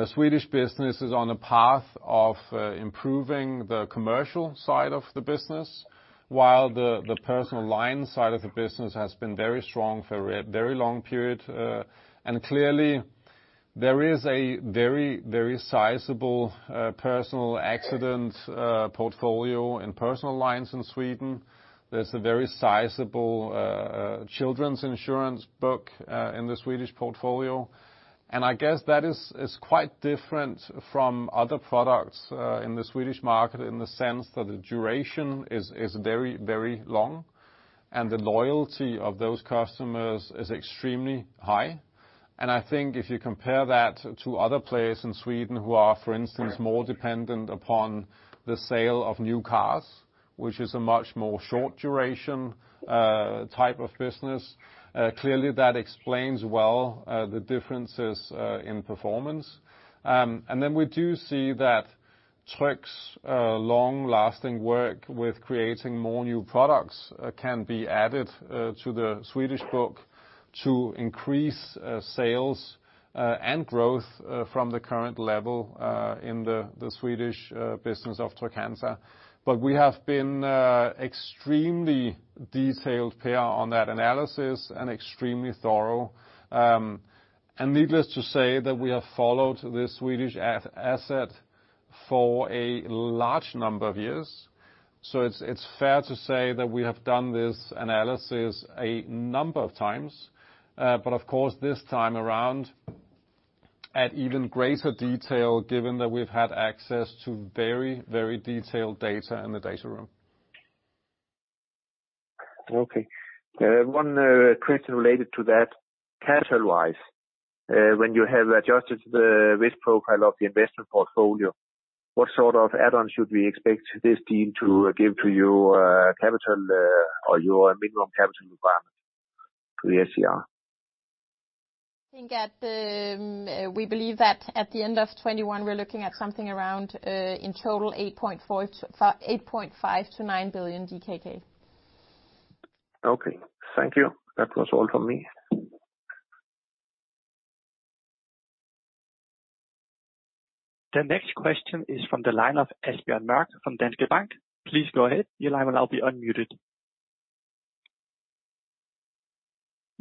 Swedish business is on a path of improving the commercial side of the business while the personal line side of the business has been very strong for a very long period. Clearly, there is a very, very sizable personal accident portfolio in personal lines in Sweden. There's a very sizable children's insurance book in the Swedish portfolio. I guess that is quite different from other products in the Swedish market in the sense that the duration is very, very long and the loyalty of those customers is extremely high. I think if you compare that to other players in Sweden who are, for instance, more dependent upon the sale of new cars, which is a much more short duration type of business, clearly that explains well the differences in performance. And then we do see that Tryg's long-lasting work with creating more new products can be added to the Swedish book to increase sales and growth from the current level in the Swedish business of Trygg-Hansa. But we have been extremely detailed, Per, on that analysis and extremely thorough. And needless to say that we have followed this Swedish asset for a large number of years. So it's fair to say that we have done this analysis a number of times. But of course, this time around at even greater detail given that we've had access to very, very detailed data in the data room. Okay. One question related to that. Capital-wise, when you have adjusted the risk profile of the investment portfolio, what sort of add-ons should we expect this deal to give to your capital or your minimum capital requirement to the SCR? I think that we believe that at the end of 2021, we're looking at something around in total 8.5 billion-9 billion DKK. Okay. Thank you. That was all from me. The next question is from the line of Asbjørn Mørk from Danske Bank. Please go ahead. Your line will now be unmuted.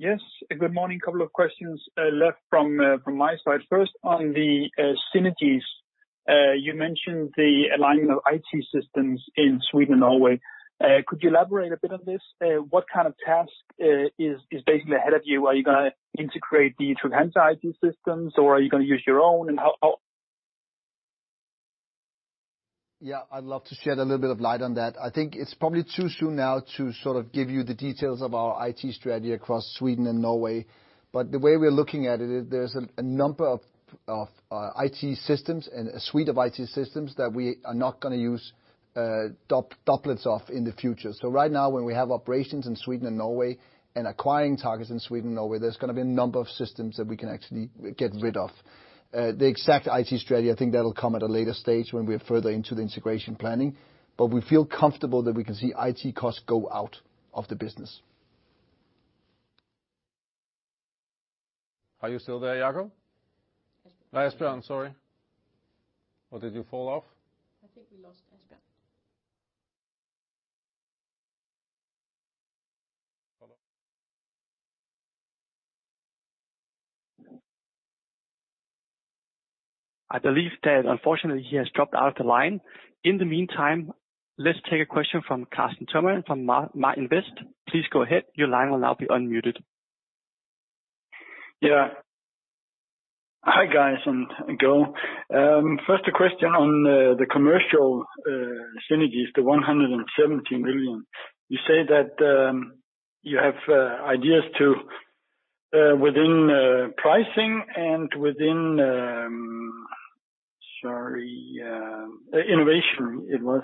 Yes. Good morning. A couple of questions left from my side. First, on the synergies, you mentioned the alignment of IT systems in Sweden and Norway. Could you elaborate a bit on this? What kind of task is basically ahead of you? Are you going to integrate the Trygg-Hansa IT systems, or are you going to use your own? And how? Yeah. I'd love to shed a little bit of light on that. I think it's probably too soon now to sort of give you the details of our IT strategy across Sweden and Norway. But the way we're looking at it, there's a number of IT systems and a suite of IT systems that we are not going to use duplicates of in the future. So right now, when we have operations in Sweden and Norway and acquiring targets in Sweden and Norway, there's going to be a number of systems that we can actually get rid of. The exact IT strategy, I think that'll come at a later stage when we're further into the integration planning. But we feel comfortable that we can see IT costs go out of the business. Are you still there, Jakob? Asbjørn, sorry. Or did you fall off? I think we lost Asbjørn. I believe that unfortunately, he has dropped out of the line. In the meantime, let's take a question from Carsten Thomann from Sydbank. Please go ahead. Your line will now be unmuted. Yeah. Hi, guys, and go. First, a question on the commercial synergies, the 170 million. You say that you have ideas within pricing and within, sorry, innovation, it was.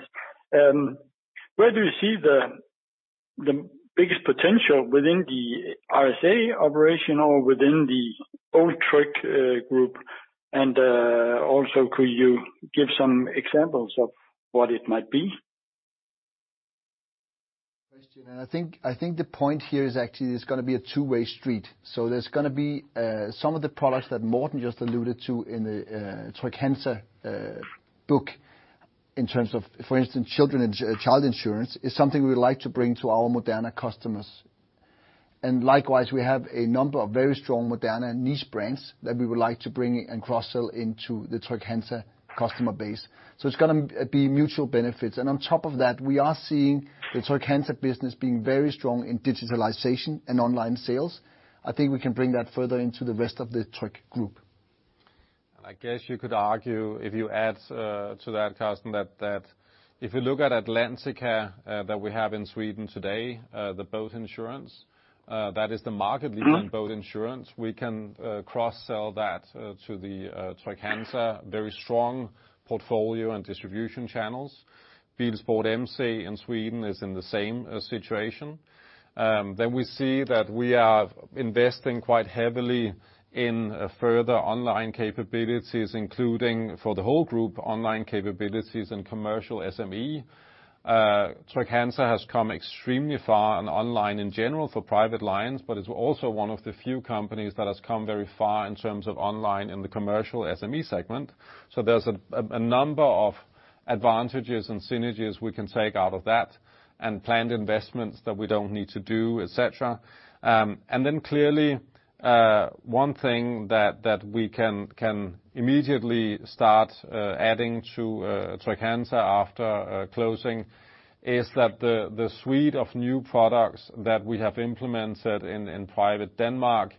Where do you see the biggest potential within the RSA operation or within the old Tryg group? And also, could you give some examples of what it might be? And I think the point here is actually there's going to be a two-way street. So there's going to be some of the products that Morten just alluded to in the Trygg-Hansa book in terms of, for instance, child insurance is something we would like to bring to our Moderna customers. And likewise, we have a number of very strong Moderna niche brands that we would like to bring and cross-sell into the Trygg-Hansa customer base. So it's going to be mutual benefits. And on top of that, we are seeing the Trygg-Hansa business being very strong in digitalization and online sales. I think we can bring that further into the rest of the Tryg group. I guess you could argue if you add to that, Carsten, that if you look at Atlantica that we have in Sweden today, the boat insurance, that is the market leading boat insurance. We can cross-sell that to the Trygg-Hansa very strong portfolio and distribution channels. Bilsport & MC in Sweden is in the same situation. Then we see that we are investing quite heavily in further online capabilities, including for the whole group, online capabilities and commercial SME. Trygg-Hansa has come extremely far on online in general for private lines, but it's also one of the few companies that has come very far in terms of online in the commercial SME segment. So there's a number of advantages and synergies we can take out of that and planned investments that we don't need to do, etc. Then clearly, one thing that we can immediately start adding to Trygg-Hansa after closing is that the suite of new products that we have implemented in Privatsikring Denmark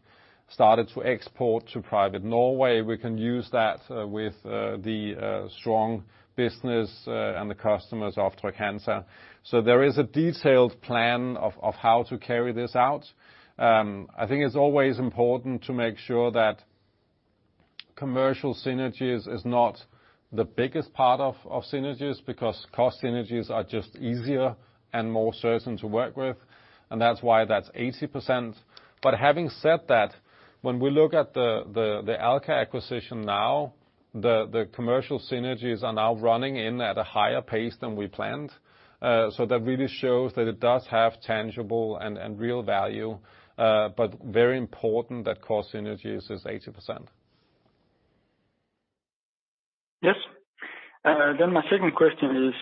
start to export to Codan Norway. We can use that with the strong business and the customers of Trygg-Hansa. So there is a detailed plan of how to carry this out. I think it's always important to make sure that commercial synergies is not the biggest part of synergies because cost synergies are just easier and more certain to work with. And that's why that's 80%. But having said that, when we look at the Alka acquisition now, the commercial synergies are now running in at a higher pace than we planned. So that really shows that it does have tangible and real value. But very important that cost synergies is 80%. Yes. Then my second question is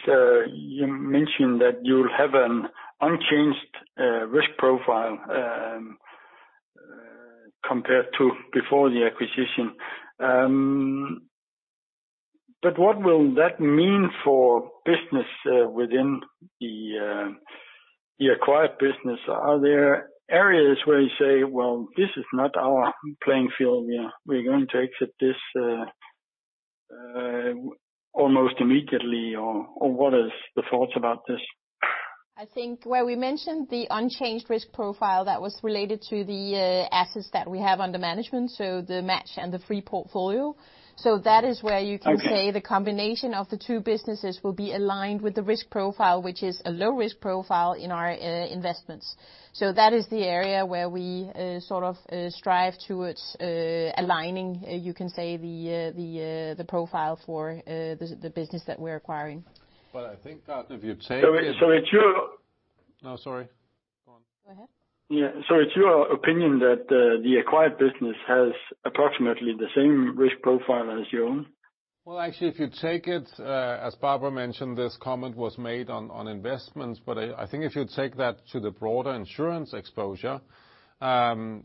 you mentioned that you'll have an unchanged risk profile compared to before the acquisition. But what will that mean for business within the acquired business? Are there areas where you say, "Well, this is not our playing field. We're going to exit this almost immediately," or what are the thoughts about this? I think where we mentioned the unchanged risk profile that was related to the assets that we have under management, so the match and the free portfolio. So that is where you can say the combination of the two businesses will be aligned with the risk profile, which is a low-risk profile in our investments. So that is the area where we sort of strive towards aligning, you can say, the profile for the business that we're acquiring. But I think, Carsten, if you take it. It's your. No, sorry. Go on. Go ahead. Yeah. So it's your opinion that the acquired business has approximately the same risk profile as your own? Well, actually, if you take it, as Barbara mentioned, this comment was made on investments. But I think if you take that to the broader insurance exposure,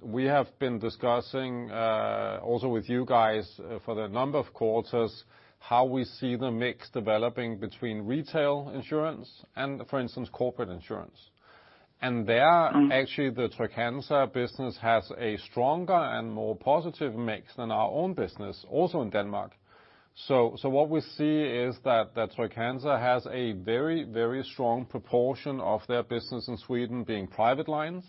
we have been discussing also with you guys for a number of quarters how we see the mix developing between retail insurance and, for instance, corporate insurance. And there, actually, the Trygg-Hansa business has a stronger and more positive mix than our own business, also in Denmark. So what we see is that Trygg-Hansa has a very, very strong proportion of their business in Sweden being private lines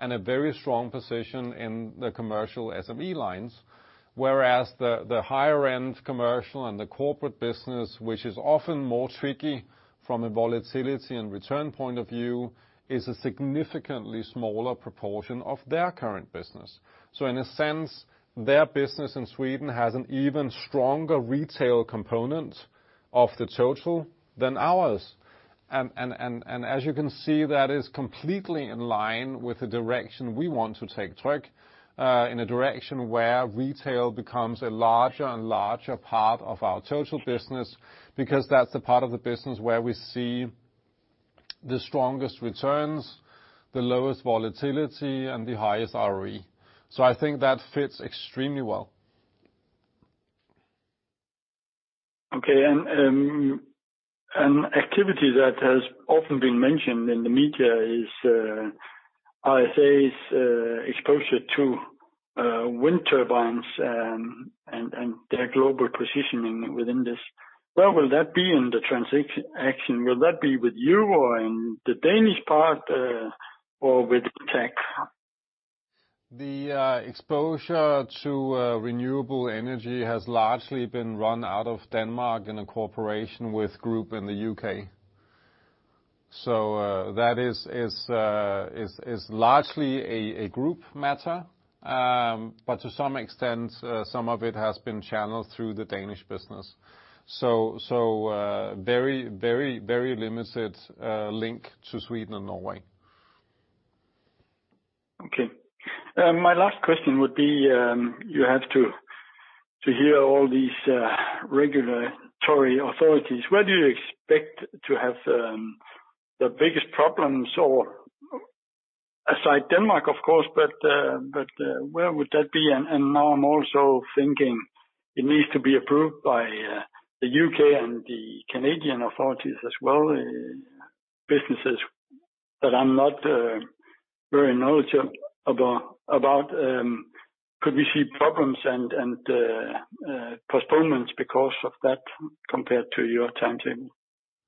and a very strong position in the commercial SME lines, whereas the higher-end commercial and the corporate business, which is often more Trygky from a volatility and return point of view, is a significantly smaller proportion of their current business. So in a sense, their business in Sweden has an even stronger retail component of the total than ours. And as you can see, that is completely in line with the direction we want to take Tryg in a direction where retail becomes a larger and larger part of our total business because that's the part of the business where we see the strongest returns, the lowest volatility, and the highest ROE. So I think that fits extremely well. Okay. And an activity that has often been mentioned in the media is RSA's exposure to wind turbines and their global positioning within this. Where will that be in the transaction? Will that be with you or in the Danish part or with Tryg? The exposure to renewable energy has largely been run out of Denmark in collaboration with the Group in the U.K. So that is largely a group matter. But to some extent, some of it has been channeled through the Danish business. So very, very, very limited link to Sweden and Norway. Okay. My last question would be you have to hear all these regulatory authorities. Where do you expect to have the biggest problems? Or aside Denmark, of course, but where would that be? And now I'm also thinking it needs to be approved by the U.K. and the Canadian authorities as well, businesses that I'm not very knowledgeable about. Could we see problems and postponements because of that compared to your timetable?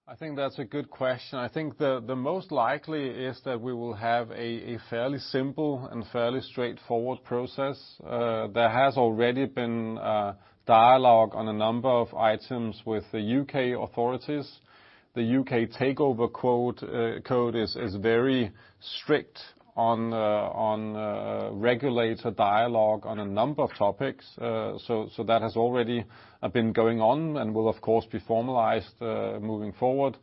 I think that's a good question. I think the most likely is that we will have a fairly simple and fairly straightforward process. There has already been dialogue on a number of items with the U.K. authorities. The U.K. Takeover Code is very strict on regulator dialogue on a number of topics. So that has already been going on and will, of course, be formalized moving forward.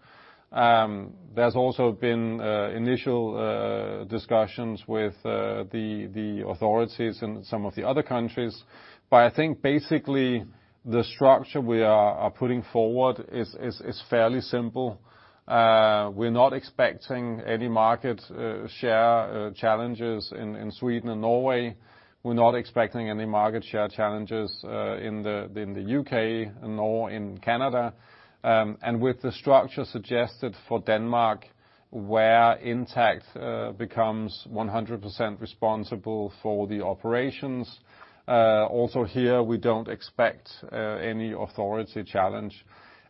There's also been initial discussions with the authorities in some of the other countries. But I think basically the structure we are putting forward is fairly simple. We're not expecting any market share challenges in Sweden and Norway. We're not expecting any market share challenges in the U.K. nor in Canada. And with the structure suggested for Denmark, where Intact becomes 100% responsible for the operations. Also here, we don't expect any authority challenge.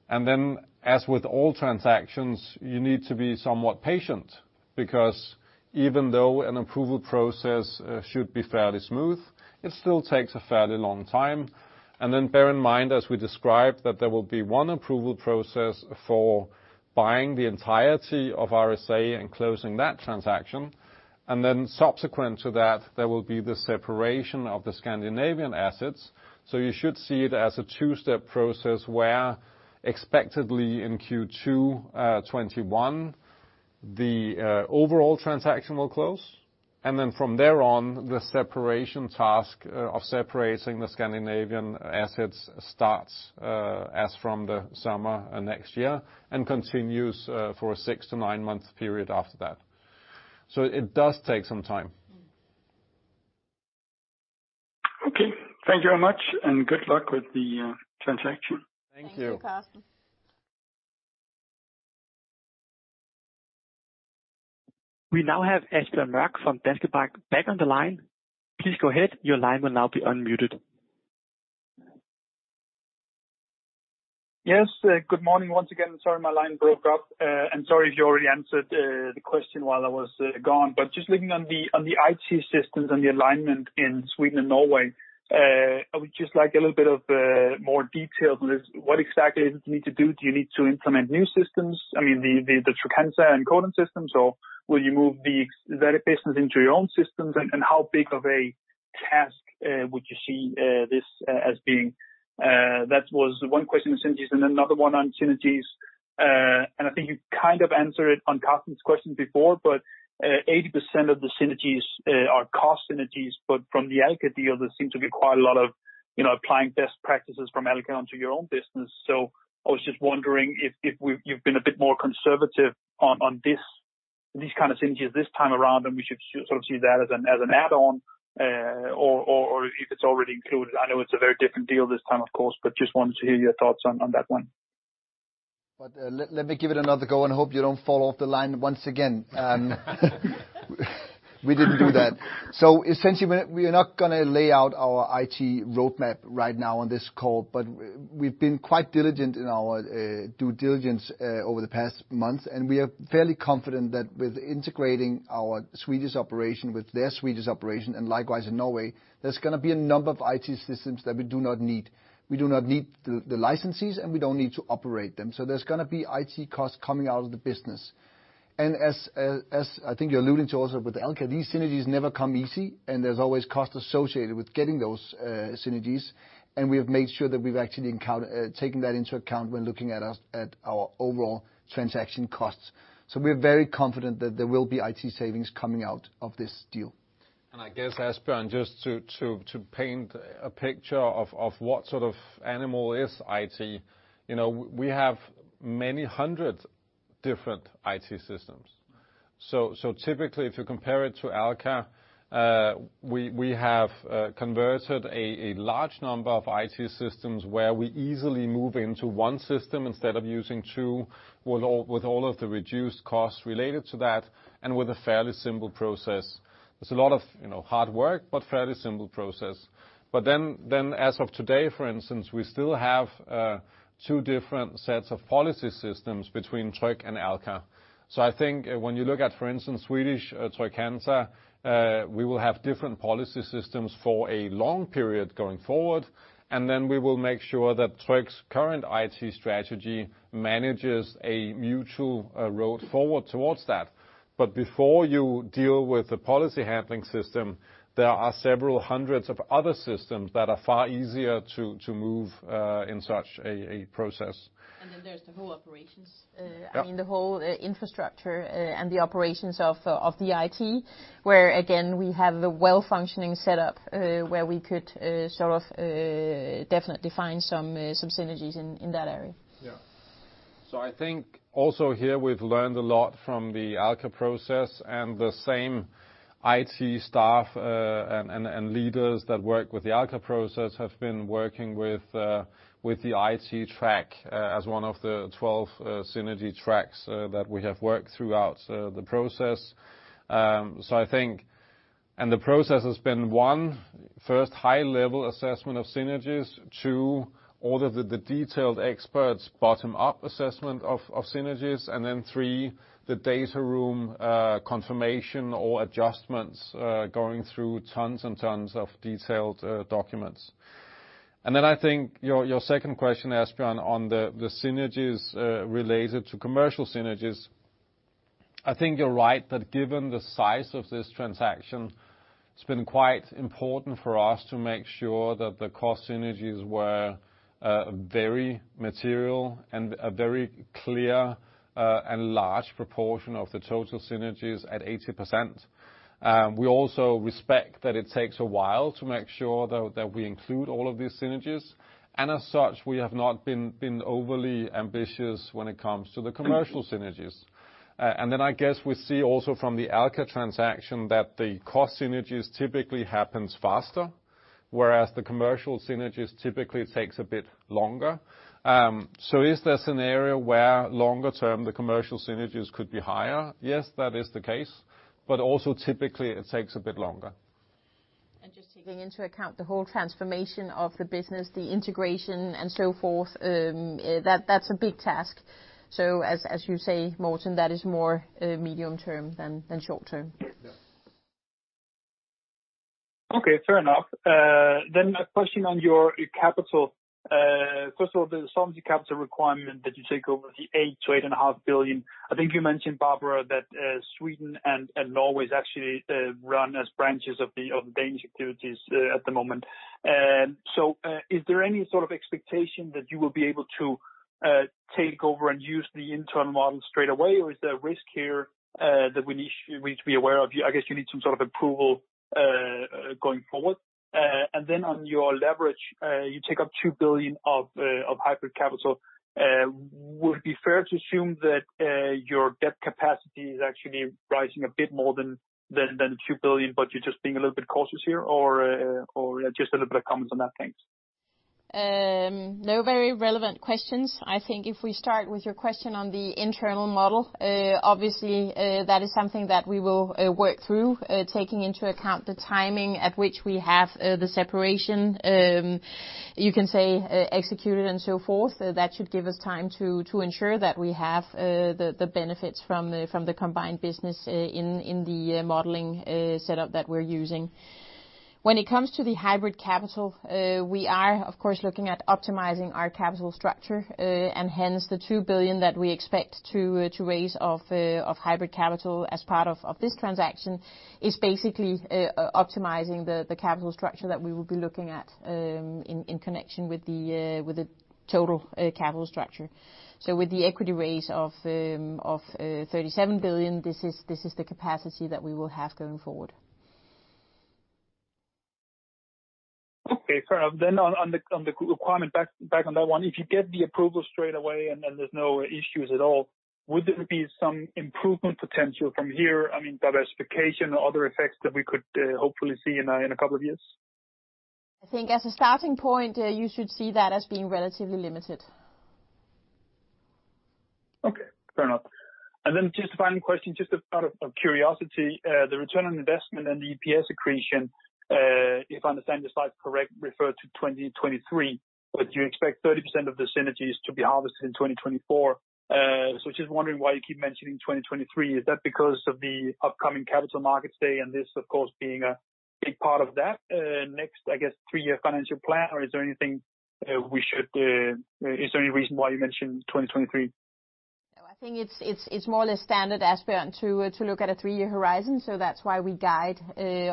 Then, as with all transactions, you need to be somewhat patient because even though an approval process should be fairly smooth, it still takes a fairly long time. Bear in mind, as we described, that there will be one approval process for buying the entirety of RSA and closing that transaction. Subsequent to that, there will be the separation of the Scandinavian assets. You should see it as a two-step process where expectedly in Q2 2021, the overall transaction will close. From there on, the separation task of separating the Scandinavian assets starts as from the summer next year and continues for a six- to nine-month period after that. It does take some time. Okay. Thank you very much. And good luck with the transaction. Thank you. Thank you, Carsten. We now have Asbjørn Mørk from Danske Bank back on the line. Please go ahead. Your line will now be unmuted. Yes. Good morning once again. Sorry, my line broke up. And sorry if you already answered the question while I was gone. But just looking on the IT systems and the alignment in Sweden and Norway, I would just like a little bit of more detail on this. What exactly is it you need to do? Do you need to implement new systems, I mean, the Trygg-Hansa and Codan systems, or will you move the business into your own systems? And how big of a task would you see this as being? That was one question on synergies and another one on synergies. And I think you kind of answered it on Carsten's question before, but 80% of the synergies are cost synergies. But from the Alka deal, there seems to be quite a lot of applying best practices from Alka onto your own business. So I was just wondering if you've been a bit more conservative on these kind of synergies this time around, and we should sort of see that as an add-on or if it's already included? I know it's a very different deal this time, of course, but just wanted to hear your thoughts on that one. But let me give it another go. And I hope you don't fall off the line once again. We didn't do that. So essentially, we're not going to lay out our IT roadmap right now on this call, but we've been quite diligent in our due diligence over the past month. And we are fairly confident that with integrating our Swedish operation with their Swedish operation, and likewise in Norway, there's going to be a number of IT systems that we do not need. We do not need the licenses, and we don't need to operate them. So there's going to be IT costs coming out of the business. And as I think you're alluding to also with Alka, these synergies never come easy, and there's always cost associated with getting those synergies. We have made sure that we've actually taken that into account when looking at our overall transaction costs. We're very confident that there will be IT savings coming out of this deal. I guess, Asbjørn, just to paint a picture of what sort of animal IT is, we have many hundred different IT systems. So typically, if you compare it to Alka, we have converted a large number of IT systems where we easily move into one system instead of using two with all of the reduced costs related to that and with a fairly simple process. There's a lot of hard work, but fairly simple process. But then as of today, for instance, we still have two different sets of policy systems between Tryg and Alka. So I think when you look at, for instance, Swedish Trygg-Hansa, we will have different policy systems for a long period going forward. And then we will make sure that Tryg's current IT strategy manages a mutual road forward towards that. But before you deal with the policy handling system, there are several hundreds of other systems that are far easier to move in such a process. And then there's the whole operations. I mean, the whole infrastructure and the operations of the IT, where, again, we have a well-functioning setup where we could sort of definitely find some synergies in that area. Yeah. So I think also here we've learned a lot from the Alka process. And the same IT staff and leaders that work with the Alka process have been working with the IT track as one of the 12 synergy tracks that we have worked throughout the process. And the process has been, one, first, high-level assessment of synergies. Two, all of the detailed experts' bottom-up assessment of synergies. And then three, the data room confirmation or adjustments going through tons and tons of detailed documents. And then I think your second question, Asbjørn, on the synergies related to commercial synergies, I think you're right that given the size of this transaction, it's been quite important for us to make sure that the cost synergies were very material and a very clear and large proportion of the total synergies at 80%. We also respect that it takes a while to make sure that we include all of these synergies, and as such, we have not been overly ambitious when it comes to the commercial synergies, and then I guess we see also from the Alka transaction that the cost synergies typically happen faster, whereas the commercial synergies typically take a bit longer. So is there a scenario where longer-term the commercial synergies could be higher? Yes, that is the case, but also typically it takes a bit longer. And just taking into account the whole transformation of the business, the integration, and so forth, that's a big task. So as you say, Morten, that is more medium-term than short-term. Yeah. Okay. Fair enough. Then a question on your capital. First of all, there's some of the capital requirement that you take over the 8 billion-8.5 billion. I think you mentioned, Barbara, that Sweden and Norway actually run as branches of the Danish activities at the moment. So is there any sort of expectation that you will be able to take over and use the internal model straight away, or is there a risk here that we need to be aware of? I guess you need some sort of approval going forward. And then on your leverage, you take up 2 billion of hybrid capital. Would it be fair to assume that your debt capacity is actually rising a bit more than 2 billion, but you're just being a little bit cautious here, or just a little bit of comments on that? Thanks. No very relevant questions. I think if we start with your question on the internal model, obviously that is something that we will work through, taking into account the timing at which we have the separation, you can say, executed and so forth. That should give us time to ensure that we have the benefits from the combined business in the modeling setup that we're using. When it comes to the hybrid capital, we are, of course, looking at optimizing our capital structure. And hence, the 2 billion that we expect to raise of hybrid capital as part of this transaction is basically optimizing the capital structure that we will be looking at in connection with the total capital structure. With the equity raise of 37 billion, this is the capacity that we will have going forward. Okay. Fair enough. Then on the requirement back on that one, if you get the approval straight away and there's no issues at all, would there be some improvement potential from here, I mean, diversification or other effects that we could hopefully see in a couple of years? I think as a starting point, you should see that as being relatively limited. Okay. Fair enough. And then just a final question, just out of curiosity, the return on investment and the EPS accretion, if I understand your slides correct, refer to 2023. But you expect 30% of the synergies to be harvested in 2024. So just wondering why you keep mentioning 2023. Is that because of the upcoming capital markets day and this, of course, being a big part of that next, I guess, three-year financial plan, or is there any reason why you mentioned 2023? I think it's more or less standard, Asbjørn, to look at a three-year horizon. So that's why we guide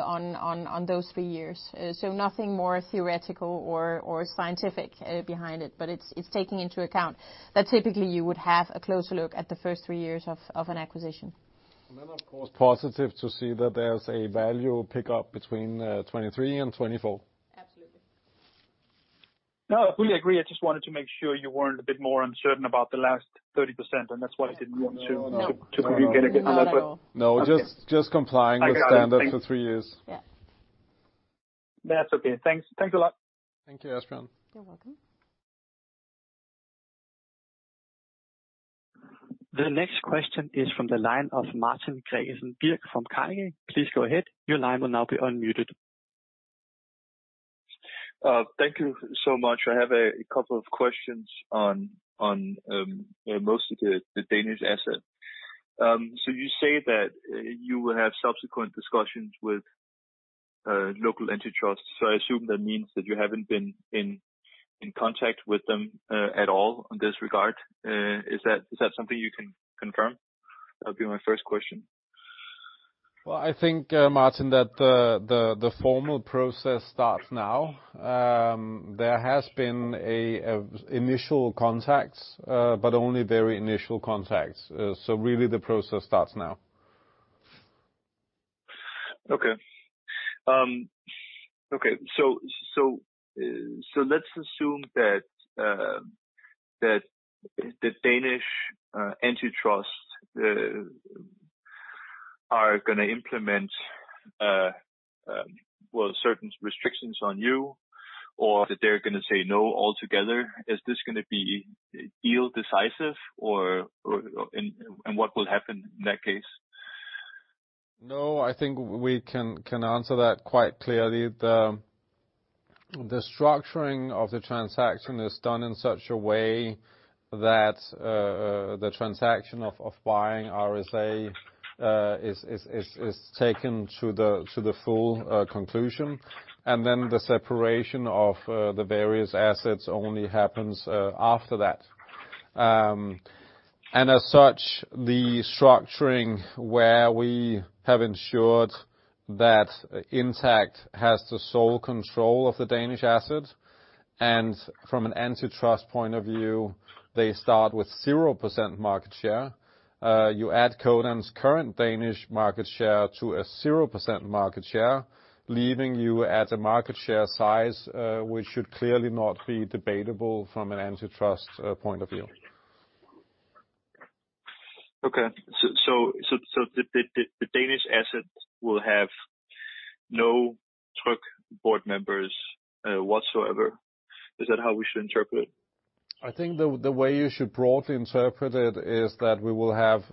on those three years. So nothing more theoretical or scientific behind it, but it's taking into account that typically you would have a closer look at the first three years of an acquisition. And then, of course, positive to see that there's a value pickup between 2023 and 2024. Absolutely. No, I fully agree. I just wanted to make sure you weren't a bit more uncertain about the last 30%, and that's why I didn't want to communicate again on that. No, just complying with standards for three years. That's okay. Thanks. Thanks a lot. Thank you, Asbjørn. You're welcome. The next question is from the line of Martin Gregers Birk from Carnegie. Please go ahead. Your line will now be unmuted. Thank you so much. I have a couple of questions on mostly the Danish asset. So you say that you will have subsequent discussions with local entity trusts. So I assume that means that you haven't been in contact with them at all in this regard. Is that something you can confirm? That would be my first question. I think, Martin, that the formal process starts now. There has been initial contacts, but only very initial contacts. Really, the process starts now. Okay. So let's assume that the Danish antitrust are going to implement, well, certain resTrygtions on you, or that they're going to say no altogether. Is this going to be deal decisive, and what will happen in that case? No, I think we can answer that quite clearly. The structuring of the transaction is done in such a way that the transaction of buying RSA is taken to the full conclusion. And then the separation of the various assets only happens after that. And as such, the structuring where we have ensured that Intact has the sole control of the Danish asset. And from an antitrust point of view, they start with 0% market share. You add Codan's current Danish market share to a 0% market share, leaving you at a market share size which should clearly not be debatable from an antitrust point of view. Okay. So the Danish asset will have no Tryg board members whatsoever. Is that how we should interpret it? I think the way you should broadly interpret it is that we will have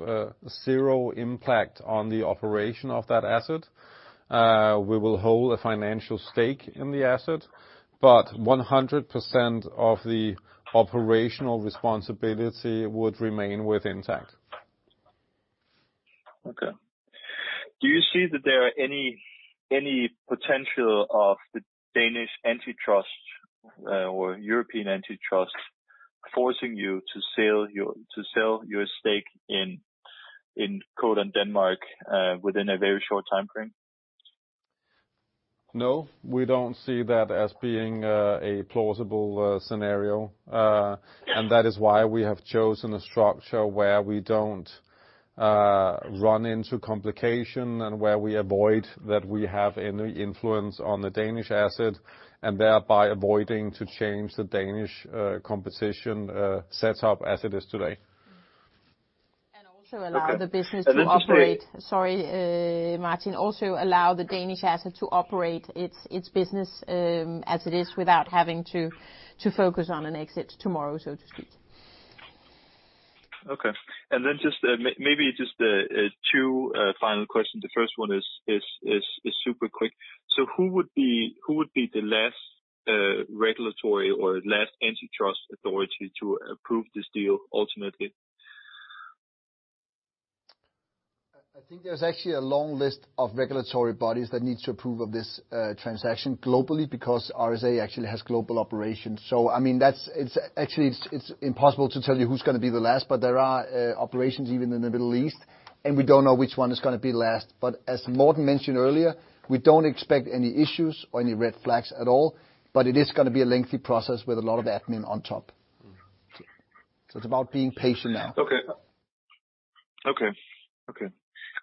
zero impact on the operation of that asset. We will hold a financial stake in the asset, but 100% of the operational responsibility would remain with Intact. Okay. Do you see that there are any potential of the Danish antitrust or European antitrust forcing you to sell your stake in Codan Denmark within a very short time frame? No, we don't see that as being a plausible scenario, and that is why we have chosen a structure where we don't run into complication and where we avoid that we have any influence on the Danish asset and thereby avoiding to change the Danish competition setup as it is today. Also allow the business to operate. And also. Sorry, Martin, also allow the Danish asset to operate its business as it is without having to focus on an exit tomorrow, so to speak. Okay. And then maybe just two final questions. The first one is super quick. So who would be the last regulatory or last antitrust authority to approve this deal ultimately? I think there's actually a long list of regulatory bodies that need to approve of this transaction globally because RSA actually has global operations. So I mean, actually, it's impossible to tell you who's going to be the last, but there are operations even in the Middle East, and we don't know which one is going to be last. But as Morten mentioned earlier, we don't expect any issues or any red flags at all, but it is going to be a lengthy process with a lot of admin on top. So it's about being patient now.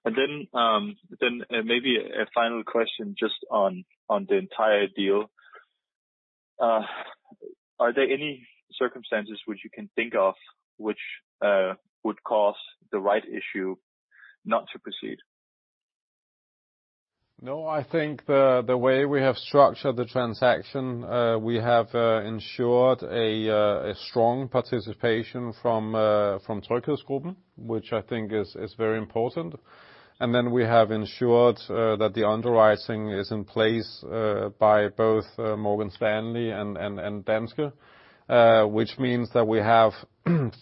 Maybe a final question just on the entire deal. Are there any circumstances which you can think of which would cause the rights issue not to proceed? No, I think the way we have structured the transaction, we have ensured a strong participation from TryghedsGruppen, which I think is very important. And then we have ensured that the underwriting is in place by both Morgan Stanley and Danske, which means that we have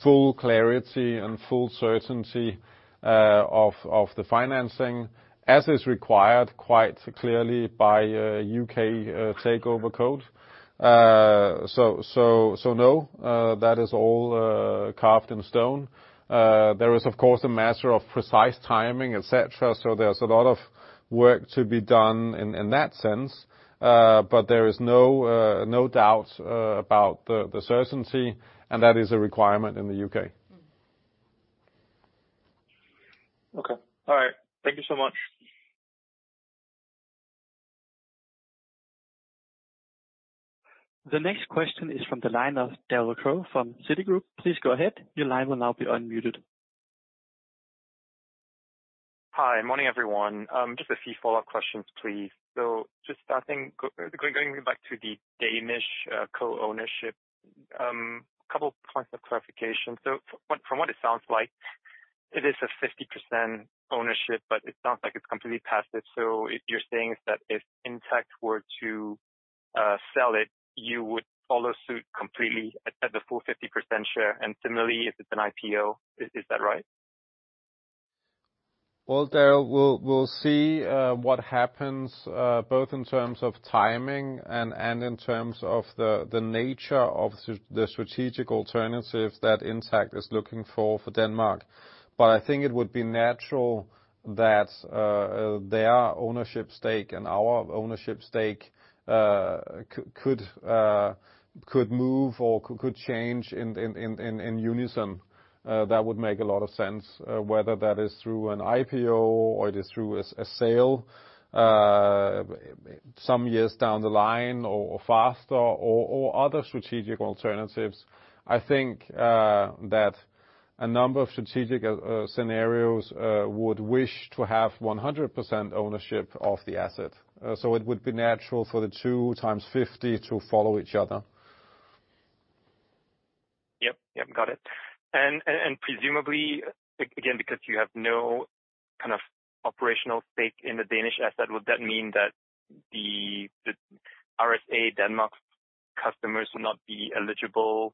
full clarity and full certainty of the financing, as is required quite clearly by U.K. Takeover Code. So no, that is all carved in stone. There is, of course, a matter of precise timing, etc. So there's a lot of work to be done in that sense, but there is no doubt about the certainty, and that is a requirement in the U.K. Okay. All right. Thank you so much. The next question is from the line of [Deborah Crow] from Citigroup. Please go ahead. Your line will now be unmuted. Hi. Morning, everyone. Just a few follow-up questions, please. So just starting going back to the Danish co-ownership, a couple of points of clarification. So from what it sounds like, it is a 50% ownership, but it sounds like it's completely passive. So you're saying that if Intact were to sell it, you would follow suit completely at the full 50% share. And similarly, if it's an IPO, is that right? We'll see what happens both in terms of timing and in terms of the nature of the strategic alternative that Intact is looking for for Denmark. But I think it would be natural that their ownership stake and our ownership stake could move or could change in unison. That would make a lot of sense, whether that is through an IPO or it is through a sale some years down the line or faster or other strategic alternatives. I think that a number of strategic scenarios would wish to have 100% ownership of the asset. So it would be natural for the two times 50 to follow each other. Yep. Yep. Got it. And presumably, again, because you have no kind of operational stake in the Danish asset, would that mean that the RSA Denmark customers will not be eligible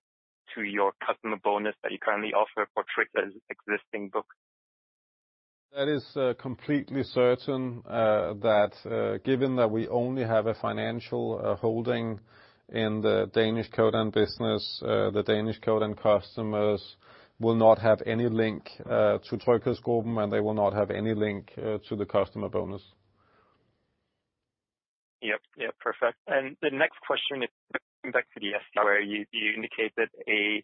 to your customer bonus that you currently offer for Tryg's existing book? That is completely certain that given that we only have a financial holding in the Danish Codan business, the Danish Codan customers will not have any link to TryghedsGruppen, and they will not have any link to the customer bonus. Yep. Yep. Perfect. The next question is coming back to the SCR, where you indicate that a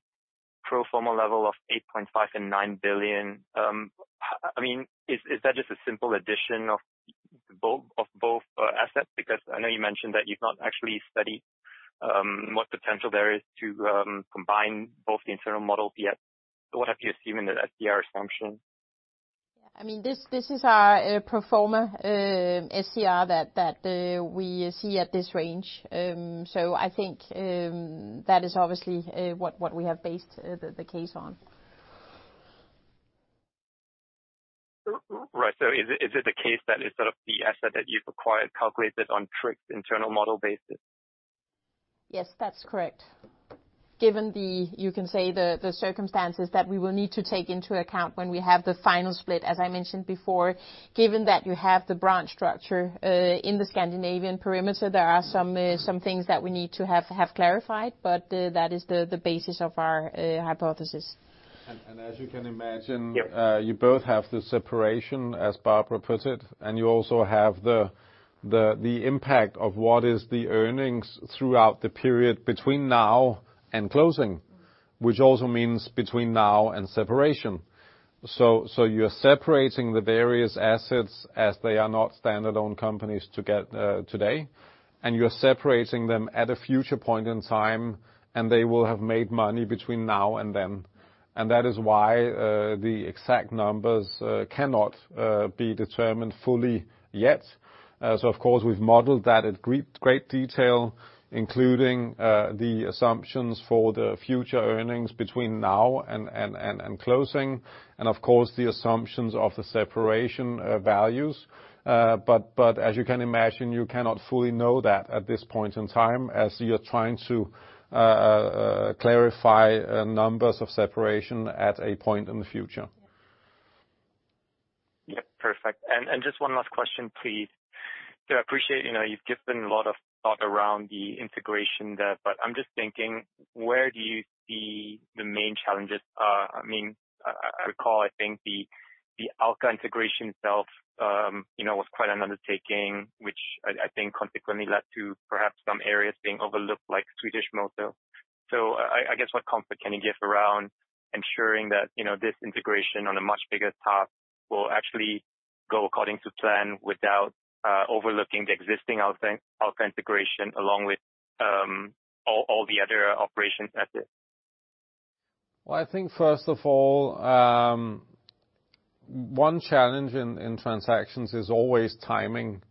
pro forma level of 8.5-9 billion. I mean, is that just a simple addition of both assets? Because I know you mentioned that you've not actually studied what potential there is to combine both the internal models yet. What have you assumed in the SCR assumption? Yeah. I mean, this is our pro forma SCR that we see at this range. So I think that is obviously what we have based the case on. Right. So is it the case that instead of the asset that you've acquired, calculate it on Tryg's internal model basis? Yes, that's correct. Given the, you can say, the circumstances that we will need to take into account when we have the final split, as I mentioned before, given that you have the branch structure in the Scandinavian perimeter, there are some things that we need to have clarified, but that is the basis of our hypothesis. As you can imagine, you both have the separation, as Barbara put it, and you also have the impact of what is the earnings throughout the period between now and closing, which also means between now and separation. So you're separating the various assets as they are not stand-alone companies today, and you're separating them at a future point in time, and they will have made money between now and then. That is why the exact numbers cannot be determined fully yet. So, of course, we've modeled that at great detail, including the assumptions for the future earnings between now and closing, and, of course, the assumptions of the separation values. But as you can imagine, you cannot fully know that at this point in time as you're trying to clarify numbers of separation at a point in the future. Yep. Perfect. And just one last question, please. So I appreciate you've given a lot of thought around the integration there, but I'm just thinking, where do you see the main challenges? I mean, I recall, I think the Alka integration itself was quite an undertaking, which I think consequently led to perhaps some areas being overlooked, like Swedish Motor. So I guess what comfort can you give around ensuring that this integration on a much bigger task will actually go according to plan without overlooking the existing Alka integration along with all the other operations at it? I think first of all, one challenge in transactions is always timing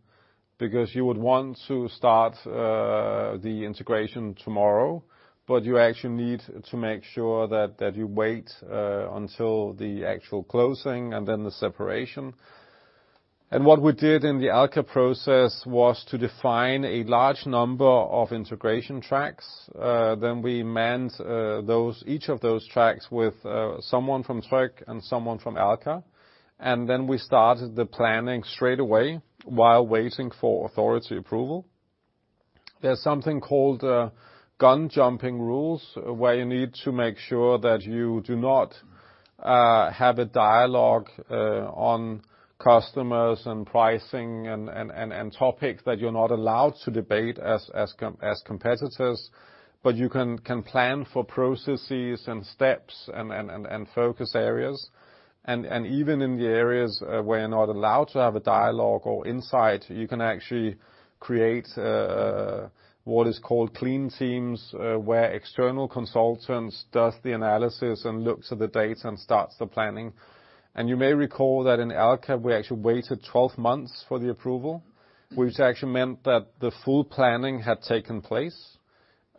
because you would want to start the integration tomorrow, but you actually need to make sure that you wait until the actual closing and then the separation. What we did in the Alka process was to define a large number of integration tracks. We met each of those tracks with someone from Tryg and someone from Alka. We started the planning straight away while waiting for authority approval. There's something called gun-jumping rules where you need to make sure that you do not have a dialogue on customers and pricing and topics that you're not allowed to debate as competitors, but you can plan for processes and steps and focus areas. Even in the areas where you're not allowed to have a dialogue or insight, you can actually create what is called clean teams where external consultants do the analysis and look to the data and start the planning. You may recall that in Alka, we actually waited 12 months for the approval, which actually meant that the full planning had taken place.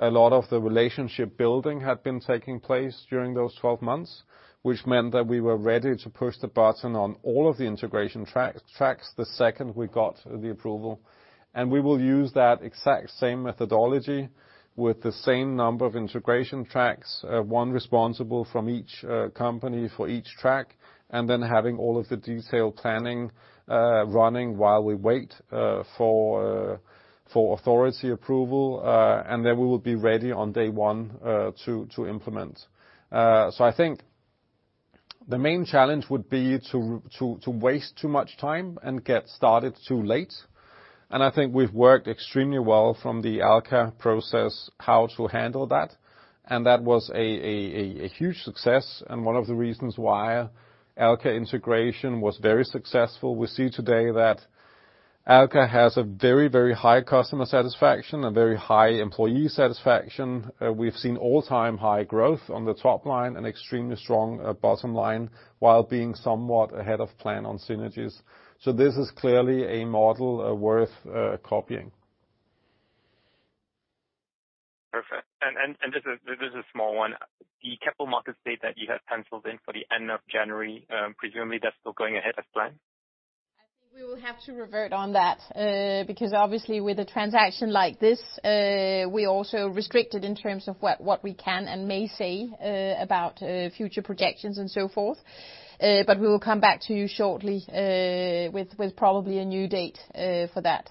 A lot of the relationship building had been taking place during those 12 months, which meant that we were ready to push the button on all of the integration tracks the second we got the approval. We will use that exact same methodology with the same number of integration tracks, one responsible from each company for each track, and then having all of the detailed planning running while we wait for authority approval. Then we will be ready on day one to implement. So, I think the main challenge would be to waste too much time and get started too late. And I think we've worked extremely well from the Alka process how to handle that. And that was a huge success. And one of the reasons why Alka integration was very successful. We see today that Alka has a very, very high customer satisfaction and very high employee satisfaction. We've seen all-time high growth on the top line and extremely strong bottom line while being somewhat ahead of plan on synergies. So this is clearly a model worth copying. Perfect. And just a small one. The capital markets date that you had penciled in for the end of January, presumably that's still going ahead as planned? I think we will have to revert on that because obviously with a transaction like this, we're also restricted in terms of what we can and may say about future projections and so forth. But we will come back to you shortly with probably a new date for that.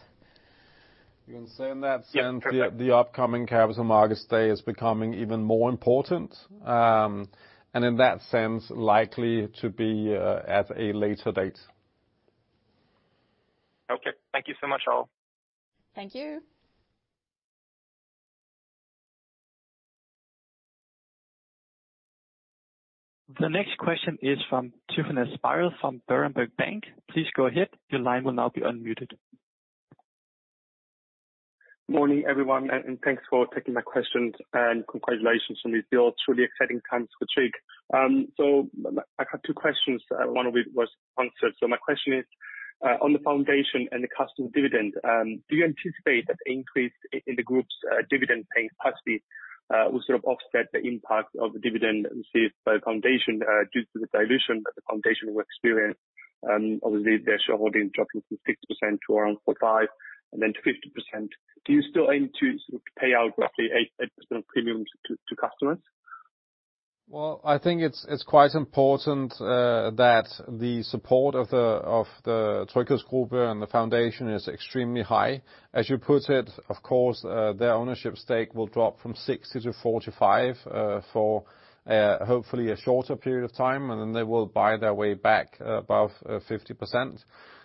You can say on that. Perfect. The upcoming capital markets day is becoming even more important, and in that sense, likely to be at a later date. Okay. Thank you so much, all. Thank you. The next question is from Tryfonas Spyrou from Berenberg Bank. Please go ahead. Your line will now be unmuted. Morning, everyone. And thanks for taking my questions and congratulations on these truly exciting times for Tryg. So I have two questions. One of which was answered. So my question is, on the foundation and the customer dividend, do you anticipate that the increase in the group's dividend paying capacity will sort of offset the impact of the dividend received by the foundation due to the dilution that the foundation will experience? Obviously, their shareholding is dropping from 6% to around 45% and then to 50%. Do you still aim to sort of pay out roughly 8% of premiums to customers? I think it's quite important that the support of the TryghedsGruppen and the foundation is extremely high. As you put it, of course, their ownership stake will drop from 60% to 45% for hopefully a shorter period of time, and then they will buy their way back above 50%.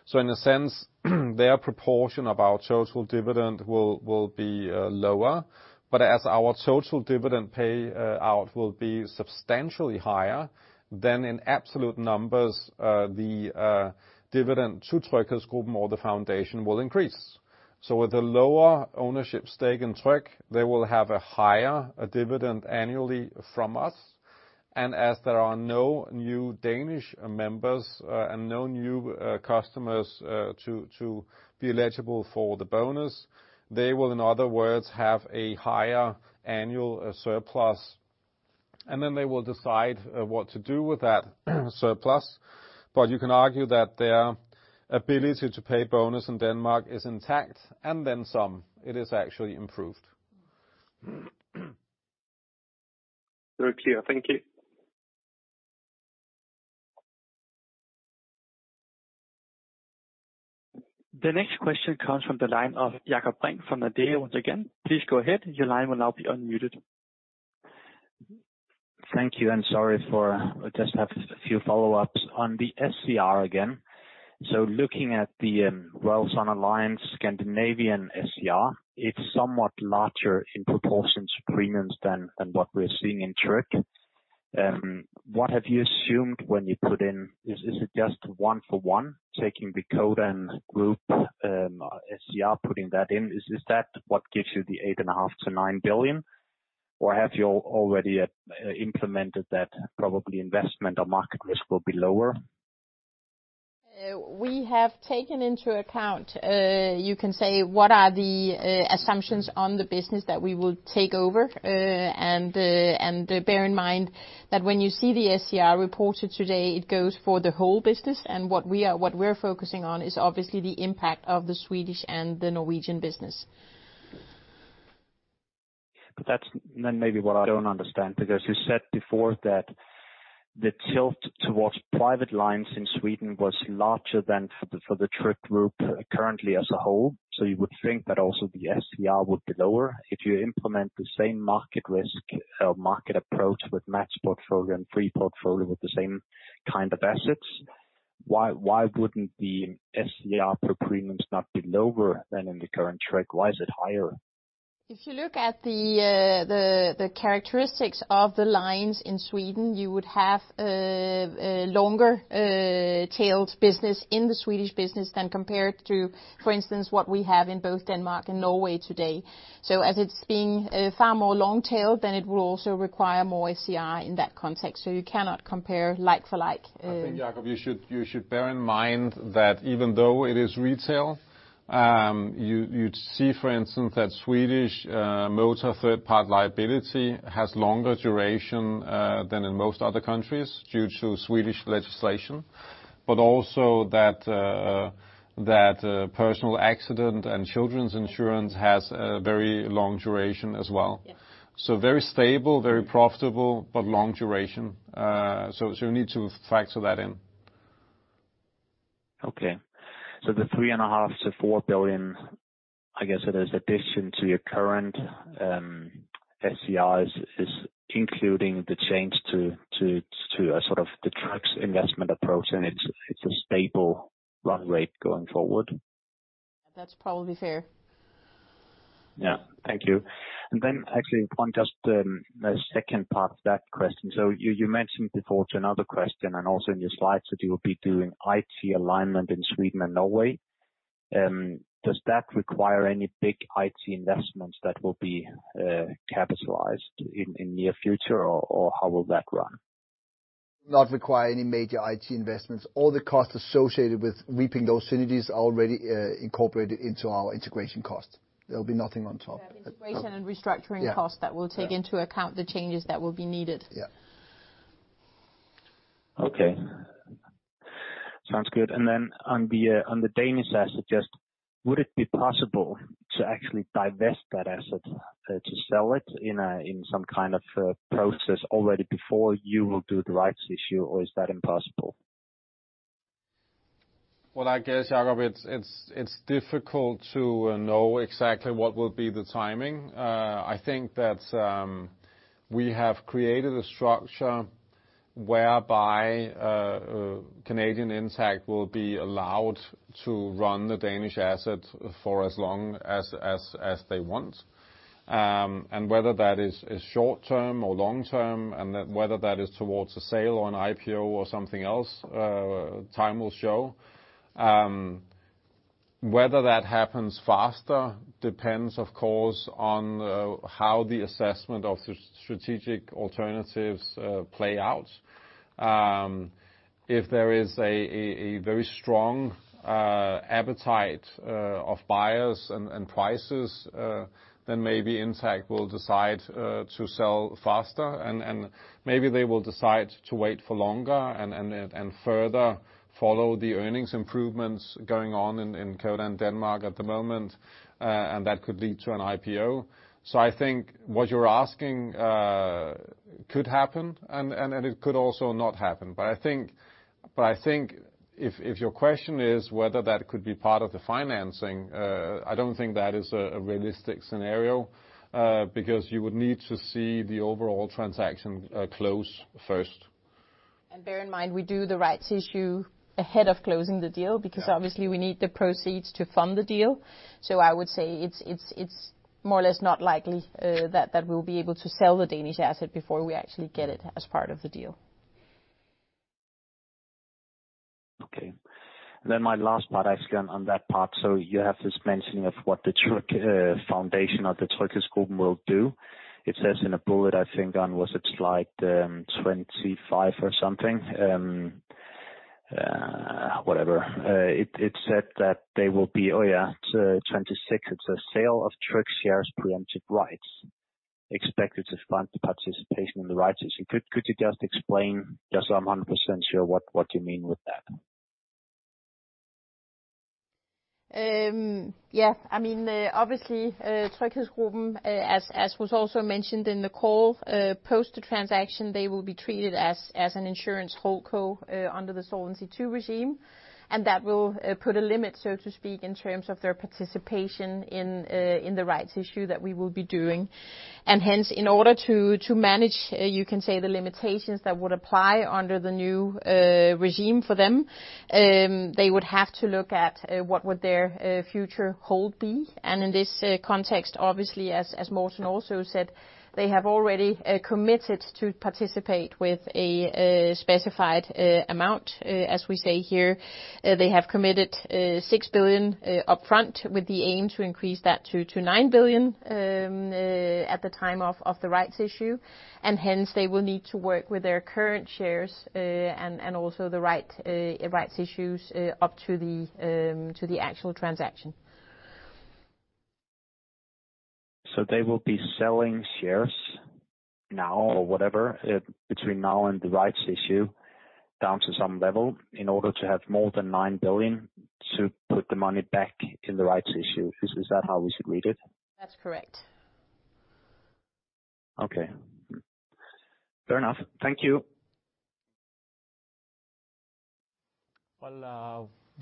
So in a sense, their proportion of our total dividend will be lower. But as our total dividend payout will be substantially higher, then in absolute numbers, the dividend to TryghedsGruppen or the foundation will increase. So with a lower ownership stake in Tryg, they will have a higher dividend annually from us. And as there are no new Danish members and no new customers to be eligible for the bonus, they will, in other words, have a higher annual surplus. And then they will decide what to do with that surplus. But you can argue that their ability to pay bonus in Denmark is intact and then some. It is actually improved. Very clear. Thank you. The next question comes from the line of Jakob Brink from Nordea once again. Please go ahead. Your line will now be unmuted. Thank you. And sorry for just a few follow-ups on the SCR again. So looking at the RSA's Scandinavian SCR, it's somewhat larger in proportion to premiums than what we're seeing in Tryg. What have you assumed when you put in? Is it just one for one? Taking the Codan Group SCR, putting that in, is that what gives you the 8.5-9 billion? Or have you already implemented that probably investment or market risk will be lower? We have taken into account, you can say, what are the assumptions on the business that we will take over, and bear in mind that when you see the SCR reported today, it goes for the whole business, and what we're focusing on is obviously the impact of the Swedish and the Norwegian business. But that's then maybe what I don't understand because you said before that the tilt towards private lines in Sweden was larger than for the Tryg Group currently as a whole. So you would think that also the SCR would be lower if you implement the same market risk or market approach with matched portfolio and free portfolio with the same kind of assets. Why wouldn't the SCR per premiums not be lower than in the current Tryg? Why is it higher? If you look at the characteristics of the lines in Sweden, you would have a longer-tailed business in the Swedish business than compared to, for instance, what we have in both Denmark and Norway today, so as it's being far more long-tailed, then it will also require more SCR in that context, so you cannot compare like for like. I think, Jakob, you should bear in mind that even though it is retail, you'd see, for instance, that Swedish motor third-party liability has longer duration than in most other countries due to Swedish legislation. But also that personal accident and children's insurance has a very long duration as well. So very stable, very profitable, but long duration. So you need to factor that in. Okay. So the 3.5-4 billion, I guess it is, addition to your current SCRs is including the change to a sort of the Tryg's investment approach, and it's a stable run rate going forward? That's probably fair. Yeah. Thank you. And then actually one just the second part of that question. So you mentioned before to another question and also in your slides that you will be doing IT alignment in Sweden and Norway. Does that require any big IT investments that will be capitalized in the near future, or how will that run? Not require any major IT investments. All the costs associated with reaping those synergies are already incorporated into our integration cost. There will be nothing on top. Yeah. The integration and restructuring costs that will take into account the changes that will be needed. Yeah. Okay. Sounds good. And then on the Danish asset, just would it be possible to actually divest that asset to sell it in some kind of process already before you will do the rights issue, or is that impossible? I guess, Jakob, it's difficult to know exactly what will be the timing. I think that we have created a structure whereby Canadian Intact will be allowed to run the Danish asset for as long as they want. Whether that is short-term or long-term and whether that is towards a sale or an IPO or something else, time will show. Whether that happens faster depends, of course, on how the assessment of the strategic alternatives play out. If there is a very strong appetite of buyers and prices, then maybe Intact will decide to sell faster. Maybe they will decide to wait for longer and further follow the earnings improvements going on in Codan Denmark at the moment. That could lead to an IPO. I think what you're asking could happen, and it could also not happen. But I think if your question is whether that could be part of the financing, I don't think that is a realistic scenario because you would need to see the overall transaction close first. And bear in mind, we do the rights issue ahead of closing the deal because obviously we need the proceeds to fund the deal. So I would say it's more or less not likely that we'll be able to sell the Danish asset before we actually get it as part of the deal. Okay. And then my last part, actually, on that part. So you have this mentioning of what the TryghedsGruppen will do. It says in a bullet, I think, on was it slide 25 or something, whatever. It said that they will be oh, yeah, 26. It says sale of Tryg shares preemptive rights. Expected to fund participation in the rights issue. Could you just explain? Just so I'm 100% sure what you mean with that. Yeah. I mean, obviously, TryghedsGruppen, as was also mentioned in the call, post the transaction, they will be treated as an insurance hold co under the Solvency II regime. And that will put a limit, so to speak, in terms of their participation in the rights issue that we will be doing. And hence, in order to manage, you can say, the limitations that would apply under the new regime for them, they would have to look at what would their future hold be. And in this context, obviously, as Morten also said, they have already committed to participate with a specified amount, as we say here. They have committed 6 billion upfront with the aim to increase that to 9 billion at the time of the rights issue. Hence, they will need to work with their current shares and also the rights issues up to the actual transaction. So they will be selling shares now or whatever between now and the rights issue down to some level in order to have more than 9 billion to put the money back in the rights issue. Is that how we should read it? That's correct. Okay. Fair enough. Thank you.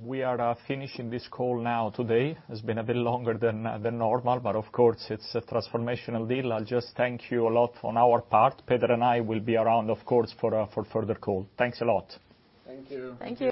We are finishing this call now today. It's been a bit longer than normal, but of course, it's a transformational deal. I'll just thank you a lot on our part. Peter and I will be around, of course, for further call. Thanks a lot. Thank you. Thanks.